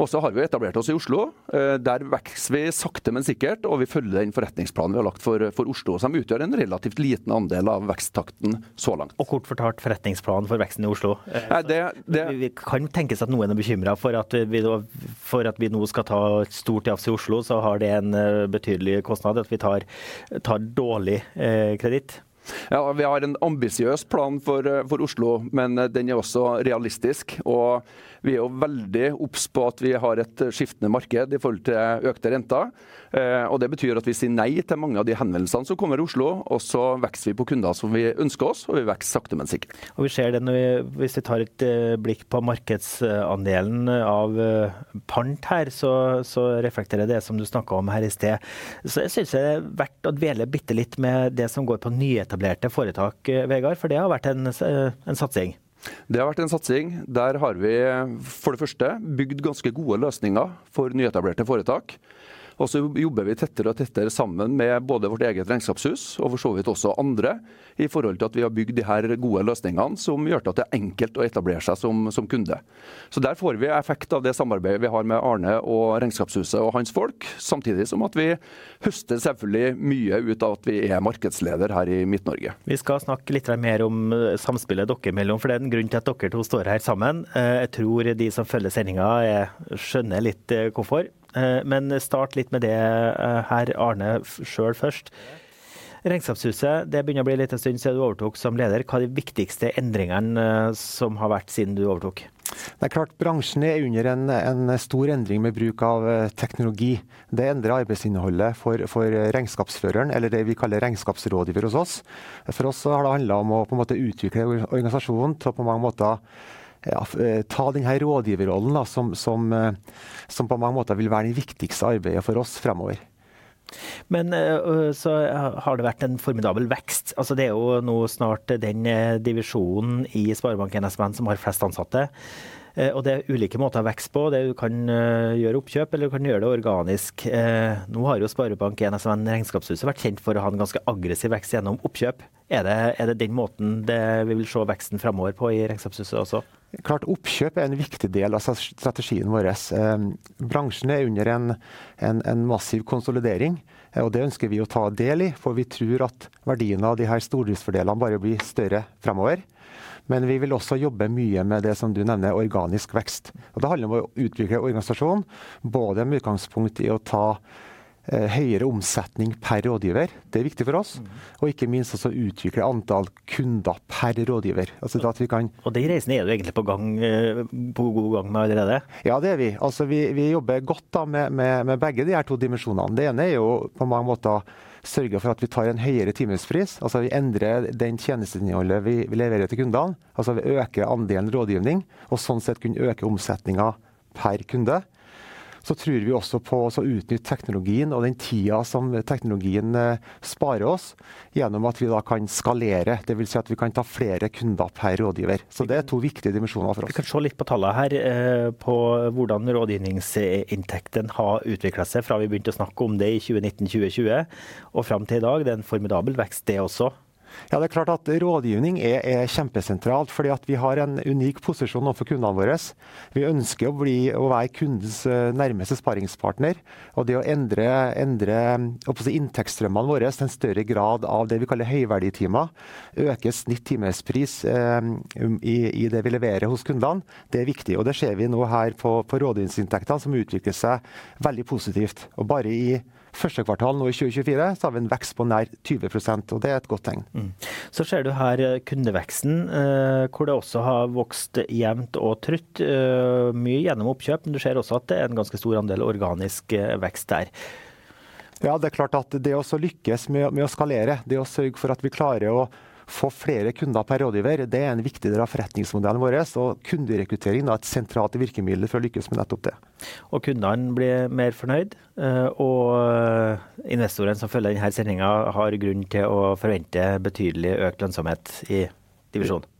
Og så har vi etablert oss i Oslo. Der vokser vi sakte men sikkert. Og vi følger den forretningsplanen vi har lagt for Oslo, som utgjør en relativt liten andel av veksttakten så langt. Og kort fortalt forretningsplanen for veksten i Oslo. Nei, det, det- Kan tenkes at noen er bekymret for at vi, for at vi nå skal ta et stort jafs i Oslo, så har det en betydelig kostnad at vi tar dårlig kreditt? Ja, vi har en ambisiøs plan for Oslo, men den er også realistisk. Og vi er veldig obs på at vi har et skiftende marked i forhold til økte renter. Og det betyr at vi sier nei til mange av de henvendelsene som kommer i Oslo. Og så vokser vi på kunder som vi ønsker oss, og vi vokser sakte men sikkert. Og vi ser det når vi, hvis vi tar et blikk på markedsandelen av pant her, så reflekterer det det som du snakket om her i sted. Så jeg synes det er verdt å dvele bitte litt med det som går på nyetablerte foretak, Vegard. For det har vært en satsing. Det har vært en satsing. Der har vi for det første bygd ganske gode løsninger for nyetablerte foretak. Og så jobber vi tettere og tettere sammen med både vårt eget regnskapshus og for så vidt også andre. I forhold til at vi har bygd de her gode løsningene som gjør at det er enkelt å etablere seg som kunde. Så der får vi effekt av det samarbeidet vi har med Arne og Regnskapshuset og hans folk. Samtidig som at vi høster selvfølgelig mye ut av at vi er markedsleder her i Midt-Norge. Vi skal snakke litt mer om samspillet dere imellom, for det er en grunn til at dere to står her sammen. Jeg tror de som følger sendingen skjønner litt hvorfor. Men start litt med det her, Arne selv først. Regnskapshuset. Det begynner å bli en liten stund siden du overtok som leder. Hva er de viktigste endringene som har vært siden du overtok? Det er klart bransjen er under en stor endring med bruk av teknologi. Det endrer arbeidsinnholdet for regnskapsføreren eller det vi kaller regnskapsrådgiver hos oss. For oss så har det handlet om å utvikle organisasjonen, og på mange måter ta den her rådgiverrollen som vil være det viktigste arbeidet for oss fremover. Men så har det vært en formidabel vekst. Altså, det er jo nå snart den divisjonen i Sparebanken SMN som har flest ansatte. Og det er ulike måter å ha vekst på. Du kan gjøre oppkjøp eller du kan gjøre det organisk. Nå har jo Sparebanken SMN Regnskapshuset vært kjent for å ha en ganske aggressiv vekst gjennom oppkjøp. Er det den måten vi vil se veksten fremover på, i Regnskapshuset også? Klart. Oppkjøp er en viktig del av strategien vår. Bransjen er under en massiv konsolidering, og det ønsker vi å ta del i. For vi tror at verdien av de her stordriftsfordelene bare blir større fremover. Men vi vil også jobbe mye med det som du nevner, organisk vekst. Og det handler om å utvikle organisasjonen, både med utgangspunkt i å ta høyere omsetning per rådgiver. Det er viktig for oss, og ikke minst også å utvikle antall kunder per rådgiver. Altså det at vi kan. Og den reisen er jo egentlig på gang, på god gang allerede. Ja, det er vi. Vi jobber godt med begge de her to dimensjonene. Det ene er jo på mange måter å sørge for at vi tar en høyere timespris. Vi endrer det tjenesteinnholdet vi leverer til kundene. Øker andelen rådgivning og sånn sett kunne øke omsetningen per kunde. Så tror vi også på å utnytte teknologien og den tiden som teknologien sparer oss, gjennom at vi da kan skalere. Det vil si at vi kan ta flere kunder per rådgiver. Så det er to viktige dimensjoner for oss. Vi kan se litt på tallene her, på hvordan rådgivningsinntekten har utviklet seg fra vi begynte å snakke om det i 2019, 2020 og frem til i dag. Det er en formidabel vekst det også. Ja, det er klart at rådgivning er kjempesentralt, fordi vi har en unik posisjon overfor kundene våre. Vi ønsker å bli kundens nærmeste sparringspartner. Det å endre inntektsstrømmene våre til en større grad av det vi kaller høyverdi timer, øker timespris i det vi leverer hos kundene. Det er viktig, og det ser vi nå på rådgivningsinntektene som utvikler seg veldig positivt. Bare i første kvartal i 2024 så har vi en vekst på nær 20%. Det er et godt tegn. Mm. Så ser du her kundeveksten, hvor det også har vokst jevnt og trutt, mye gjennom oppkjøp. Men du ser også at det er en ganske stor andel organisk vekst der. Ja, det er klart at det å lykkes med å skalere, det å sørge for at vi klarer å få flere kunder per rådgiver. Det er en viktig del av forretningsmodellen vår og kunderekruttering. Et sentralt virkemiddel for å lykkes med nettopp det. Og kundene blir mer fornøyd. Og investorene som følger den her sendingen har grunn til å forvente betydelig økt lønnsomhet i divisjonen.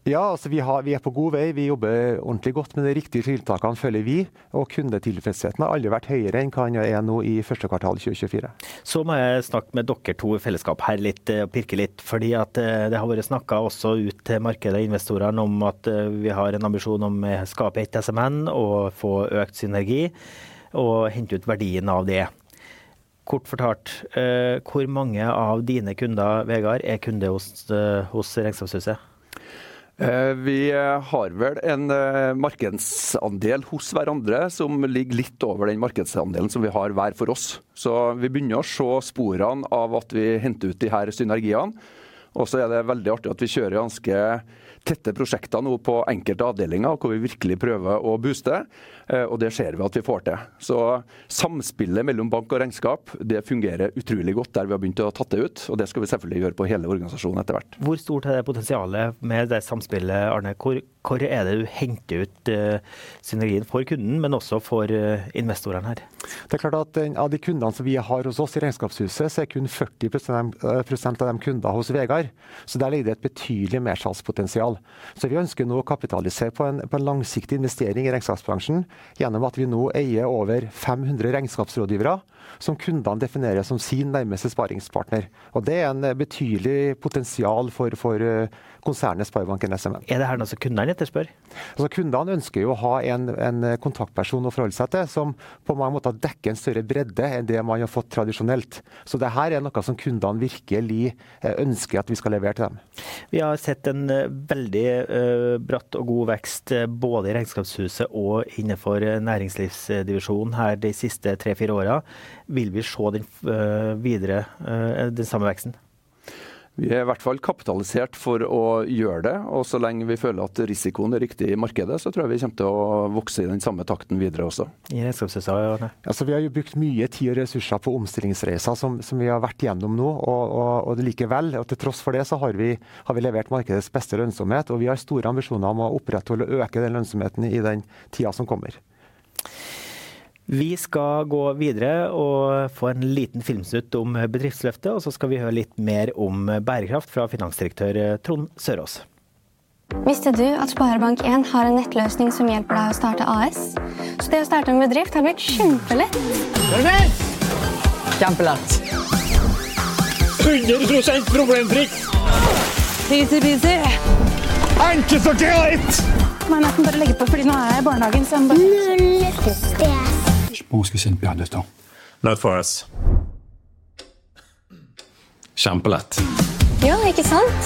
Ja, altså, vi har. Vi er på god vei. Vi jobber ordentlig godt med de riktige tiltakene, føler vi. Og kundetilfredsheten har aldri vært høyere enn hva den er nå i første kvartal i 2024. Så må jeg snakke med dere to i fellesskap her litt og pirke litt, fordi det har vært snakket også ut til markedet og investorene om at vi har en ambisjon om å skape et SMN og få økt synergi og hente ut verdien av det. Kort fortalt, hvor mange av dine kunder, Vegard, er kunde hos Regnskapshuset? Vi har vel en markedsandel hos hverandre som ligger litt over den markedsandelen som vi har hver for oss. Vi begynner å se sporene av at vi henter ut de her synergiene. Det er veldig artig at vi kjører ganske tette prosjekter nå på enkelte avdelinger hvor vi virkelig prøver å booste. Det ser vi at vi får til. Samspillet mellom bank og regnskap fungerer utrolig godt der vi har begynt å ta det ut, og det skal vi selvfølgelig gjøre på hele organisasjonen etter hvert. Hvor stort er det potensialet med det samspillet, Arne? Hvor er det du henter ut synergiene for kunden, men også for investorene her? Det er klart at av de kundene som vi har hos oss i Regnskapshuset, så er kun 40% av dem kunder hos Vegard, så der ligger det et betydelig mersalgspotensial. Vi ønsker nå å kapitalisere på en langsiktig investering i regnskapsbransjen gjennom at vi nå eier over 500 regnskapsrådgivere som kundene definerer som sin nærmeste sparringspartner. Det er et betydelig potensial for konsernet Sparebanken SMN. Er det her noe som kundene etterspør? Kundene ønsker jo å ha en kontaktperson å forholde seg til, som på mange måter dekker en større bredde enn det man har fått tradisjonelt. Så det her er noe som kundene virkelig ønsker at vi skal levere til dem. Vi har sett en veldig bratt og god vekst både i regnskapshuset og innenfor næringslivsdivisjonen her de siste tre-fire årene. Vil vi se den videre, den samme veksten? Vi er i hvert fall kapitalisert for å gjøre det. Og så lenge vi føler at risikoen er riktig i markedet, så tror jeg vi kommer til å vokse i den samme takten videre også. I regnskapshuset også? Ja, altså, vi har jo brukt mye tid og ressurser på omstillingsreisen som vi har vært igjennom nå. Til tross for det så har vi levert markedets beste lønnsomhet, og vi har store ambisjoner om å opprettholde og øke den lønnsomheten i den tiden som kommer. Vi skal gå videre og få en liten filmsnutt om bedriftsløftet, og så skal vi høre litt mer om bærekraft fra finansdirektør Trond Sørås. Visste du at Sparebank 1 har en nettløsning som hjelper deg å starte AS? Så det å starte en bedrift har blitt kjempelett. Gjøre det! Kjempelett. Hundre prosent problemfritt. Easy peasy. Det er ikke så greit. Nei, nei, men bare legg på, for nå er jeg i barnehagen, så jeg må- Let test. Spå skvise bjørnetann. Lett for oss. Kjempelett. Ja, ikke sant?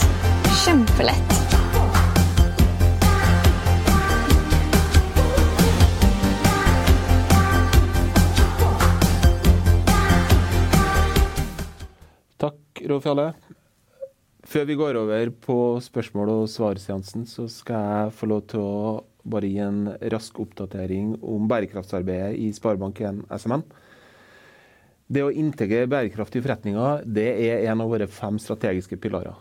Kjempelett. Takk, Rolf Jarle! Før vi går over på spørsmål og svar seansen, så skal jeg få lov til å bare gi en rask oppdatering om bærekraftsarbeidet i Sparebank 1 SMN. Det å integrere bærekraft i forretningen, det er en av våre fem strategiske pilarer,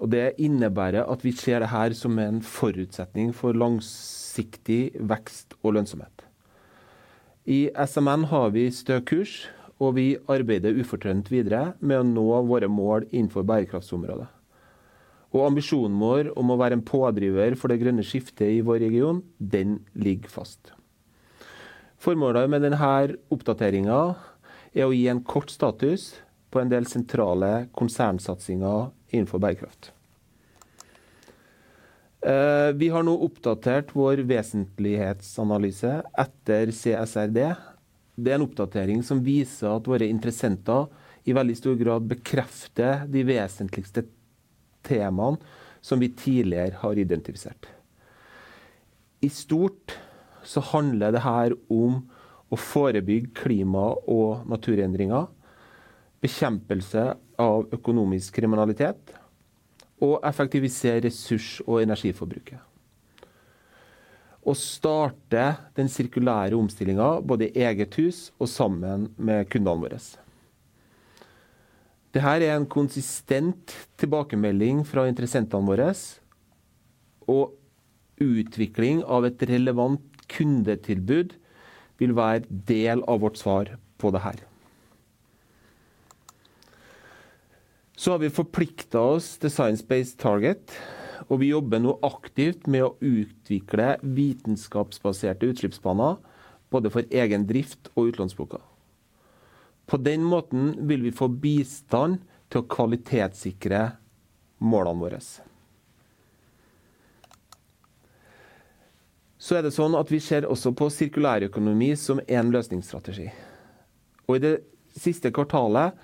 og det innebærer at vi ser dette som en forutsetning for langsiktig vekst og lønnsomhet. I SMN har vi stø kurs, og vi arbeider ufortrødent videre med å nå våre mål innenfor bærekraftsområdet. Ambisjonen vår om å være en pådriver for det grønne skiftet i vår region, den ligger fast. Formålet med denne oppdateringen er å gi en kort status på en del sentrale konsernsatsinger innenfor bærekraft. Vi har nå oppdatert vår vesentlighetsanalyse etter CSRD. Det er en oppdatering som viser at våre interessenter i veldig stor grad bekrefter de vesentligste temaene som vi tidligere har identifisert. I stort så handler dette om å forebygge klima- og naturendringer, bekjempelse av økonomisk kriminalitet og effektivisere ressurs- og energiforbruket. Å starte den sirkulære omstillingen både i eget hus og sammen med kundene våre. Dette er en konsistent tilbakemelding fra interessentene våre, og utvikling av et relevant kundetilbud vil være del av vårt svar på dette. Vi har forpliktet oss til Science Based Target, og vi jobber nå aktivt med å utvikle vitenskapsbaserte utslippsbaner både for egen drift og utlånsboka. På den måten vil vi få bistand til å kvalitetssikre målene våre. Vi ser også på sirkulærøkonomi som en løsningsstrategi. I det siste kvartalet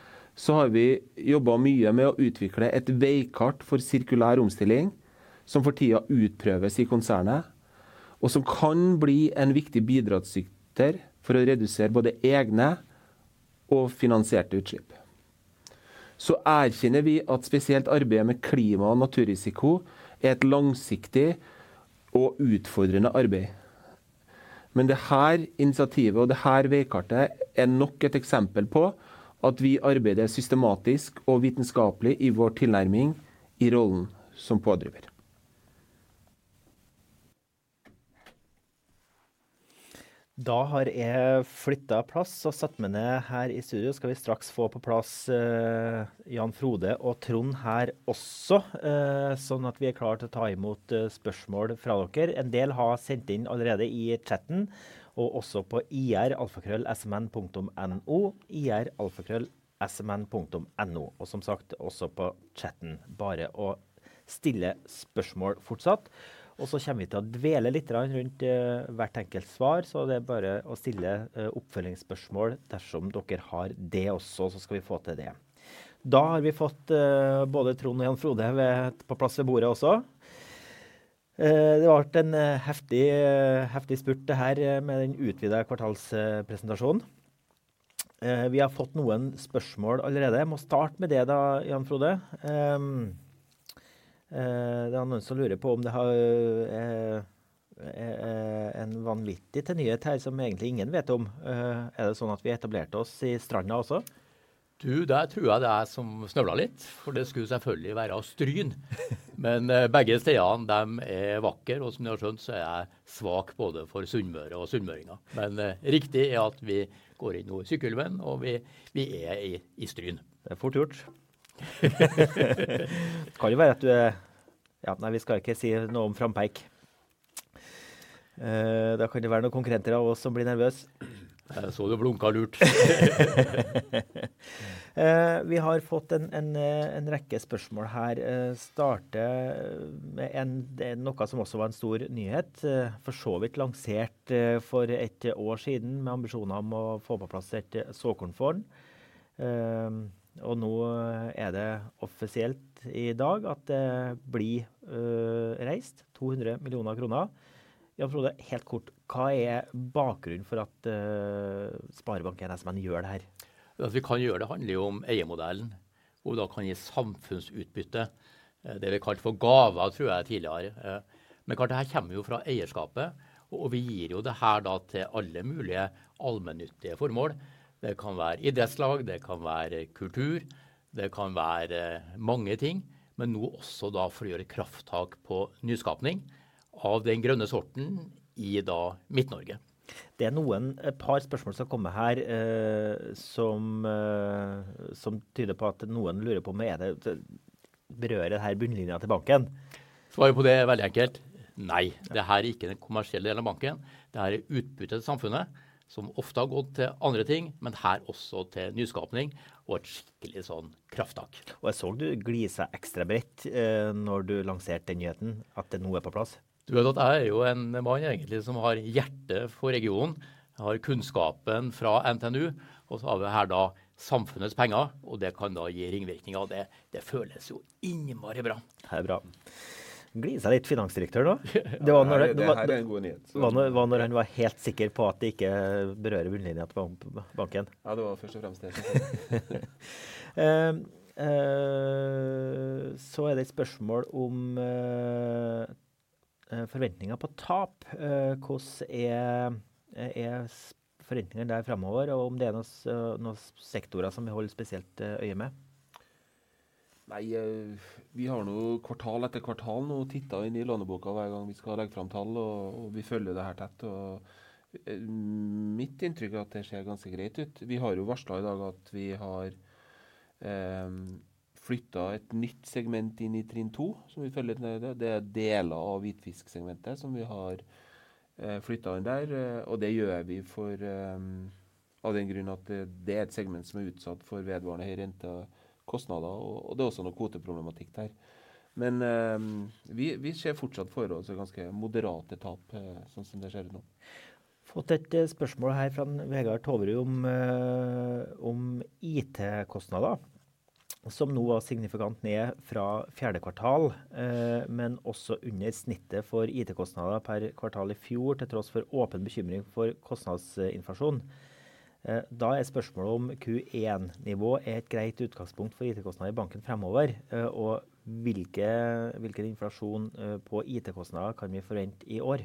har vi jobbet mye med å utvikle et veikart for sirkulær omstilling, som for tiden utprøves i konsernet, og som kan bli en viktig bidragsyter for å redusere både egne og finansierte utslipp. Så erkjenner vi at spesielt arbeidet med klima og naturrisiko er et langsiktig og utfordrende arbeid. Men dette initiativet og dette veikartet er nok et eksempel på at vi arbeider systematisk og vitenskapelig i vår tilnærming i rollen som pådriver. Da har jeg flyttet plass og satt meg ned. Her i studio skal vi straks få på plass Jan Frode og Trond her også, sånn at vi er klar til å ta imot spørsmål fra dere. En del har sendt inn allerede i chatten og også på ir@smn.no, ir@smn.no. Og som sagt også på chatten. Bare å stille spørsmål fortsatt, og så kommer vi til å dvele litt rundt hvert enkelt svar. Så det er bare å stille oppfølgingsspørsmål dersom dere har det også, så skal vi få til det. Da har vi fått både Trond og Jan Frode ved på plass ved bordet også. Det ble en heftig, heftig spurt det her med den utvidede kvartalspresentasjonen. Vi har fått noen spørsmål allerede. Må starte med det da. Jan Frode. Det er noen som lurer på om det har en vanvittig nyhet her som egentlig ingen vet om. Er det sånn at vi etablerte oss i Stranda også? Du, der tror jeg det er som snøvlet litt, for det skulle selvfølgelig være Stryn. Men begge stedene de er vakre. Og som dere har skjønt så er jeg svak både for Sunnmøre og Sunnmøringer. Men riktig er at vi går inn i Sykkylven, og vi er i Stryn. Det er fort gjort. Det kan jo være at du... Ja, nei, vi skal ikke si noe om Frampeik. Da kan det være noen konkurrenter av oss som blir nervøse. Jeg så du blunket lurt. Vi har fått en rekke spørsmål her. Starter med en. Det er noe som også var en stor nyhet, for så vidt lansert for et år siden, med ambisjoner om å få på plass et såkornfond. Og nå er det offisielt i dag at det blir reist 200 millioner kroner. Jan Frode, helt kort hva er bakgrunnen for at Sparebanken SMN gjør dette her? At vi kan gjøre det handler jo om eiermodellen, hvor da kan gi samfunnsutbytte. Det vi kalte for gaver tror jeg tidligere. Men klart, det her kommer jo fra eierskapet, og vi gir jo det her da til alle mulige allmennyttige formål. Det kan være idrettslag, det kan være kultur. Det kan være mange ting, men nå også da, for å gjøre et krafttak på nyskaping av den grønne sorten i da Midt-Norge. Det er noen, et par spørsmål som kommer her, som tyder på at noen lurer på om det berører bunnlinjen til banken? Svaret på det er veldig enkelt. Nei, det her er ikke den kommersielle delen av banken. Det her er utbyttet til samfunnet, som ofte har gått til andre ting, men her også til nyskaping og et skikkelig krafttak. Og jeg så du gliser ekstra bredt når du lanserte nyheten at det nå er på plass. Du vet at jeg er jo en mann egentlig som har hjertet for regionen. Jeg har kunnskapen fra NTNU. Og så har vi her da samfunnets penger, og det kan da gi ringvirkninger av det. Det føles jo innmari bra! Det er bra. Gliser litt Finansdirektør nå. Det var når det. Det her er en god nyhet. Det var når han var helt sikker på at det ikke berører bunnlinjen til banken. Ja, det var først og fremst det. Så er det et spørsmål om forventninger på tap. Hvordan er forventningene der fremover, og om det er noen sektorer som vi holder spesielt øye med? Nei, vi har jo kvartal etter kvartal nå tittet inn i låneboka hver gang vi skal legge fram tall. Og vi følger det her tett. Mitt inntrykk er at det ser ganske greit ut. Vi har jo varslet i dag at vi har flyttet et nytt segment inn i trinn to, som vi følger litt med det. Det er deler av hvitfisk segmentet som vi har flyttet inn der, og det gjør vi for av den grunn at det er et segment som er utsatt for vedvarende høye rentekostnader. Det er også noe kvoteproblematikk der. Men vi ser fortsatt for oss et ganske moderat tap, sånn som det ser ut nå. Fått et spørsmål her fra Vegard Tovry om IT-kostnader som nå var signifikant ned fra fjerde kvartal, men også under snittet for IT-kostnader per kvartal i fjor, til tross for åpen bekymring for kostnadsinflasjon. Da er spørsmålet om Q1-nivået er et greit utgangspunkt for IT-kostnad i banken fremover, og hvilken inflasjon på IT-kostnader kan vi forvente i år?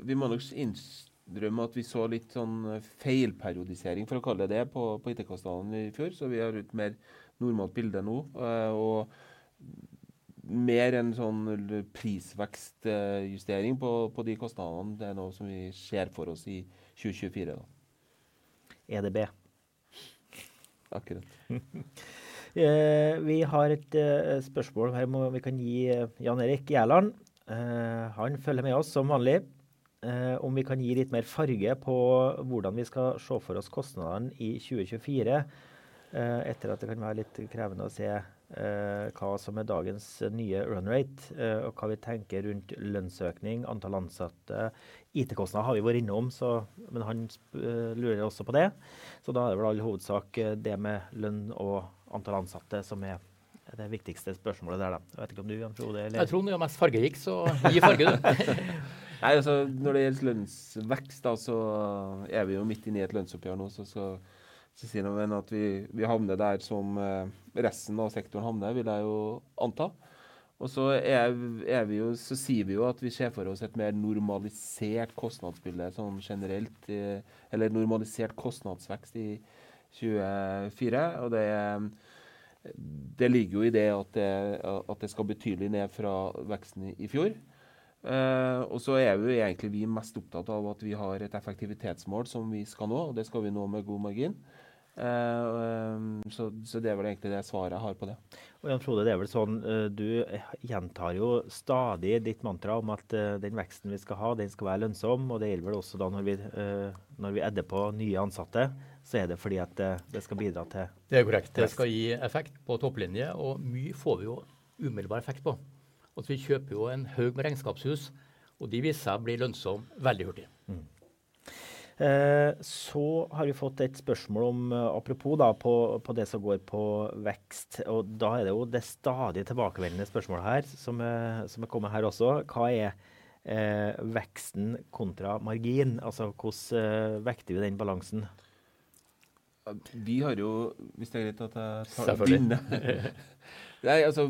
Vi må nok innrømme at vi så litt sånn feil periodisering, for å kalle det det, på IT-kostnadene i fjor, så vi har et mer normalt bilde nå og mer en sånn prisvekstjustering på de kostnadene. Det er noe som vi ser for oss i 2024 da. EDB. Akkurat. Vi har et spørsmål her om vi kan gi Jan Erik Gjærlon. Han følger med oss som vanlig. Om vi kan gi litt mer farge på hvordan vi skal se for oss kostnadene i 2024. Etter at det kan være litt krevende å se hva som er dagens nye run rate og hva vi tenker rundt lønnsøkning, antall ansatte. IT-kostnader har vi vært innom så, men han lurer også på det. Da er det vel i hovedsak det med lønn og antall ansatte som er det viktigste spørsmålet der da. Jeg vet ikke om du Jan Frode, eller? Jeg tror du er mest fargerik, så gi farge du. Nei, altså, når det gjelder lønnsvekst da, så er vi jo midt inne i et lønnsoppgjør nå. Så sier noen at vi havner der som resten av sektoren havner, vil jeg jo anta. Og så er vi jo, så sier vi jo at vi ser for oss et mer normalisert kostnadsbilde som generelt eller normalisert kostnadsvekst i 2024. Og det ligger jo i det at det skal betydelig ned fra veksten i fjor. Og så er jo egentlig vi mest opptatt av at vi har et effektivitetsmål som vi skal nå, og det skal vi nå med god margin. Så det var vel egentlig det svaret jeg har på det. Og Jan Frode, det er vel sånn du gjentar jo stadig ditt mantra om at den veksten vi skal ha, den skal være lønnsom. Og det gjelder vel også da når vi når vi adder på nye ansatte, så er det fordi at det skal bidra til. Det er korrekt. Det skal gi effekt på topplinje, og mye får vi jo umiddelbar effekt på. Altså, vi kjøper jo en haug med regnskapshus, og de viser seg å bli lønnsomme veldig hurtig. Så har vi fått et spørsmål om apropos da på det som går på vekst. Og da er det jo det stadig tilbakevendende spørsmålet her som har kommet her også. Hva er veksten kontra margin? Altså, hvordan vekter vi den balansen? Vi har jo. Hvis det er greit at jeg svarer på det? Selvfølgelig. Nei, altså,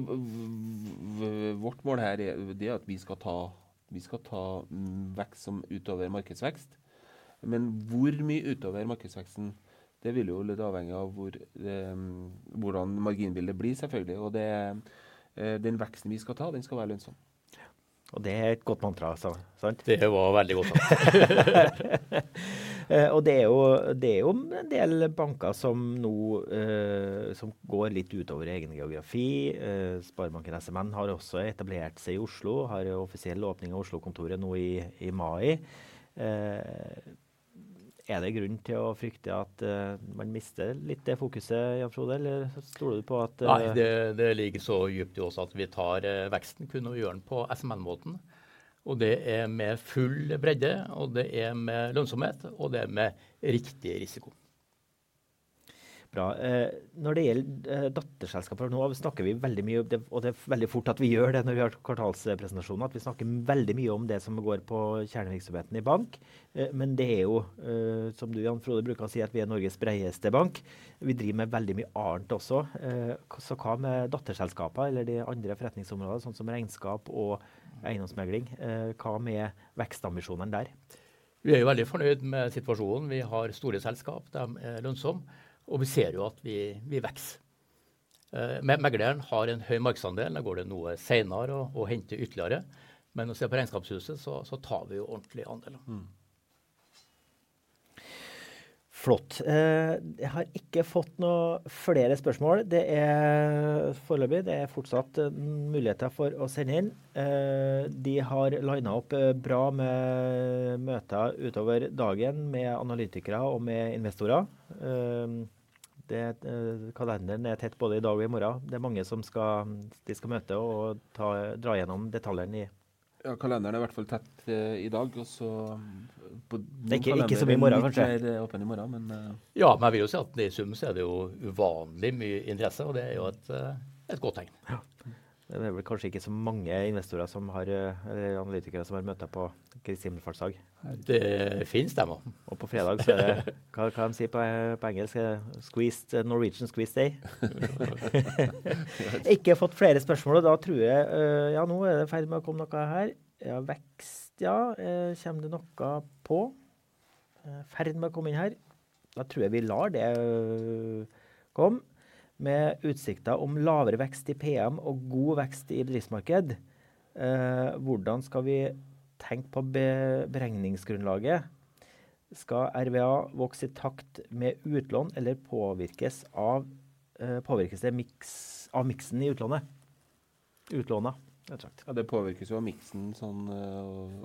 vårt mål her er det at vi skal ta... Vi skal ta vekst som utover markedsvekst. Men hvor mye utover markedsveksten? Det vil jo litt avhengig av hvor hvordan marginbildet blir, selvfølgelig. Og det er den veksten vi skal ta, den skal være lønnsom. Ja, og det er et godt mantra altså. Sant? Det var veldig godt. Og det er jo, det er jo en del banker som nå som går litt utover egen geografi. Sparebanken SMN har også etablert seg i Oslo. Har jo offisiell åpning av Oslo-kontoret nå i mai. Er det grunn til å frykte at man mister litt det fokuset Jan Frode, eller stoler du på at? Nei, det ligger så dypt i oss at vi tar veksten, kun og gjør den på SMN måten. Og det er med full bredde, og det er med lønnsomhet, og det er med riktig risiko. Bra. Når det gjelder datterselskaper. Nå snakker vi veldig mye, og det er veldig fort at vi gjør det når vi har kvartalspresentasjoner, at vi snakker veldig mye om det som går på kjernevirksomheten i bank. Men det er jo som du, Jan Frode, bruker å si, at vi er Norges bredeste bank. Vi driver med veldig mye annet også. Så hva med datterselskaper eller de andre forretningsområdene, sånn som regnskap og eiendomsmegling? Hva med vekstambisjonene der? Vi er jo veldig fornøyd med situasjonen. Vi har store selskap, de er lønnsomme og vi ser at vi vokser. Megleren har en høy markedsandel. Nå går det noe senere å hente ytterligere. Men å se på Regnskapshuset, så tar vi ordentlig andeler. Flott! Jeg har ikke fått noe flere spørsmål. Det er foreløpig. Det er fortsatt muligheter for å sende inn. De har linet opp bra med møter utover dagen, med analytikere og med investorer. Kalenderen er tett både i dag og i morgen. Det er mange som skal møte og ta gjennom detaljene. Ja, kalenderen er i hvert fall tett i dag. Og så- Det er ikke så mye i morgen kanskje. Åpen i morgen, men. Ja, men vi vil jo si at i sum så er det jo uvanlig mye interesse, og det er jo et godt tegn. Ja, det er vel kanskje ikke så mange investorer som har eller analytikere som har møter på Kristi himmelfartsdag. Det finnes dem og. Og på fredag så er det. Hva kan de si på engelsk? Squeezed Norwegian squeeze day. Ikke fått flere spørsmål. Da tror jeg... Ja, nå er det i ferd med å komme noe her. Ja, vekst. Ja, kommer det noe i ferd med å komme inn her? Da tror jeg vi lar det komme. Med utsikter om lavere vekst i PM og god vekst i bedriftsmarkedet. Hvordan skal vi tenke på beregningsgrunnlaget? Skal RBA vokse i takt med utlån eller påvirkes det av miksen i utlånet? Ja, det påvirkes jo av miksen sånn,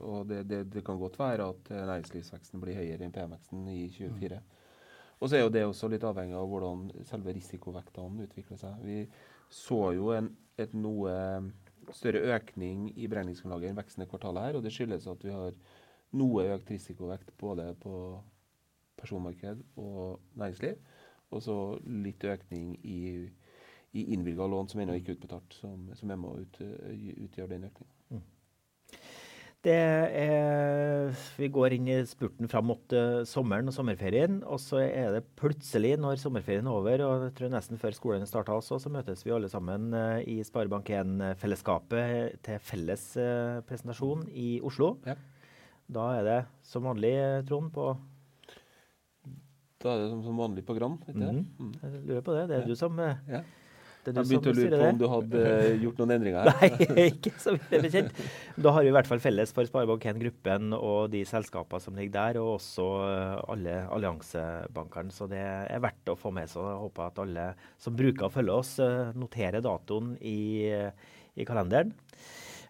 og det det. Det kan godt være at næringslivsveksten blir høyere enn PM-veksten i 2024. Og så er jo det også litt avhengig av hvordan selve risikovekten utvikler seg. Vi så jo en noe større økning i beregningsgrunnlaget i det forrige kvartalet her, og det skyldes at vi har noe økt risikovekt både på personmarked og næringsliv, og så litt økning i innvilgede lån som ennå ikke er utbetalt, som utgjør den økningen. Det er... Vi går inn i spurten fram mot sommeren og sommerferien. Og så er det plutselig når sommerferien er over, og jeg tror nesten før skolene starter også, så møtes vi alle sammen i Sparebank 1 fellesskapet til felles presentasjon i Oslo. Ja. Da er det som vanlig Trond på. Da er det som vanlig program, ikke den. Lurer på det. Det er du som. Ja. Det er du. Begynte å lure på om du hadde gjort noen endringer. Nei, ikke så vidt jeg vet. Da har vi i hvert fall felles for Sparebank 1 gruppen og de selskapene som ligger der, og også alle alliansebankene. Så det er verdt å få med seg, og håper at alle som bruker å følge oss noterer datoen i kalenderen.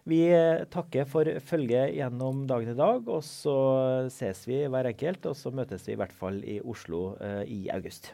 Vi takker for følget gjennom dagen i dag. Så sees vi hver enkelt. Så møtes vi i hvert fall i Oslo i august.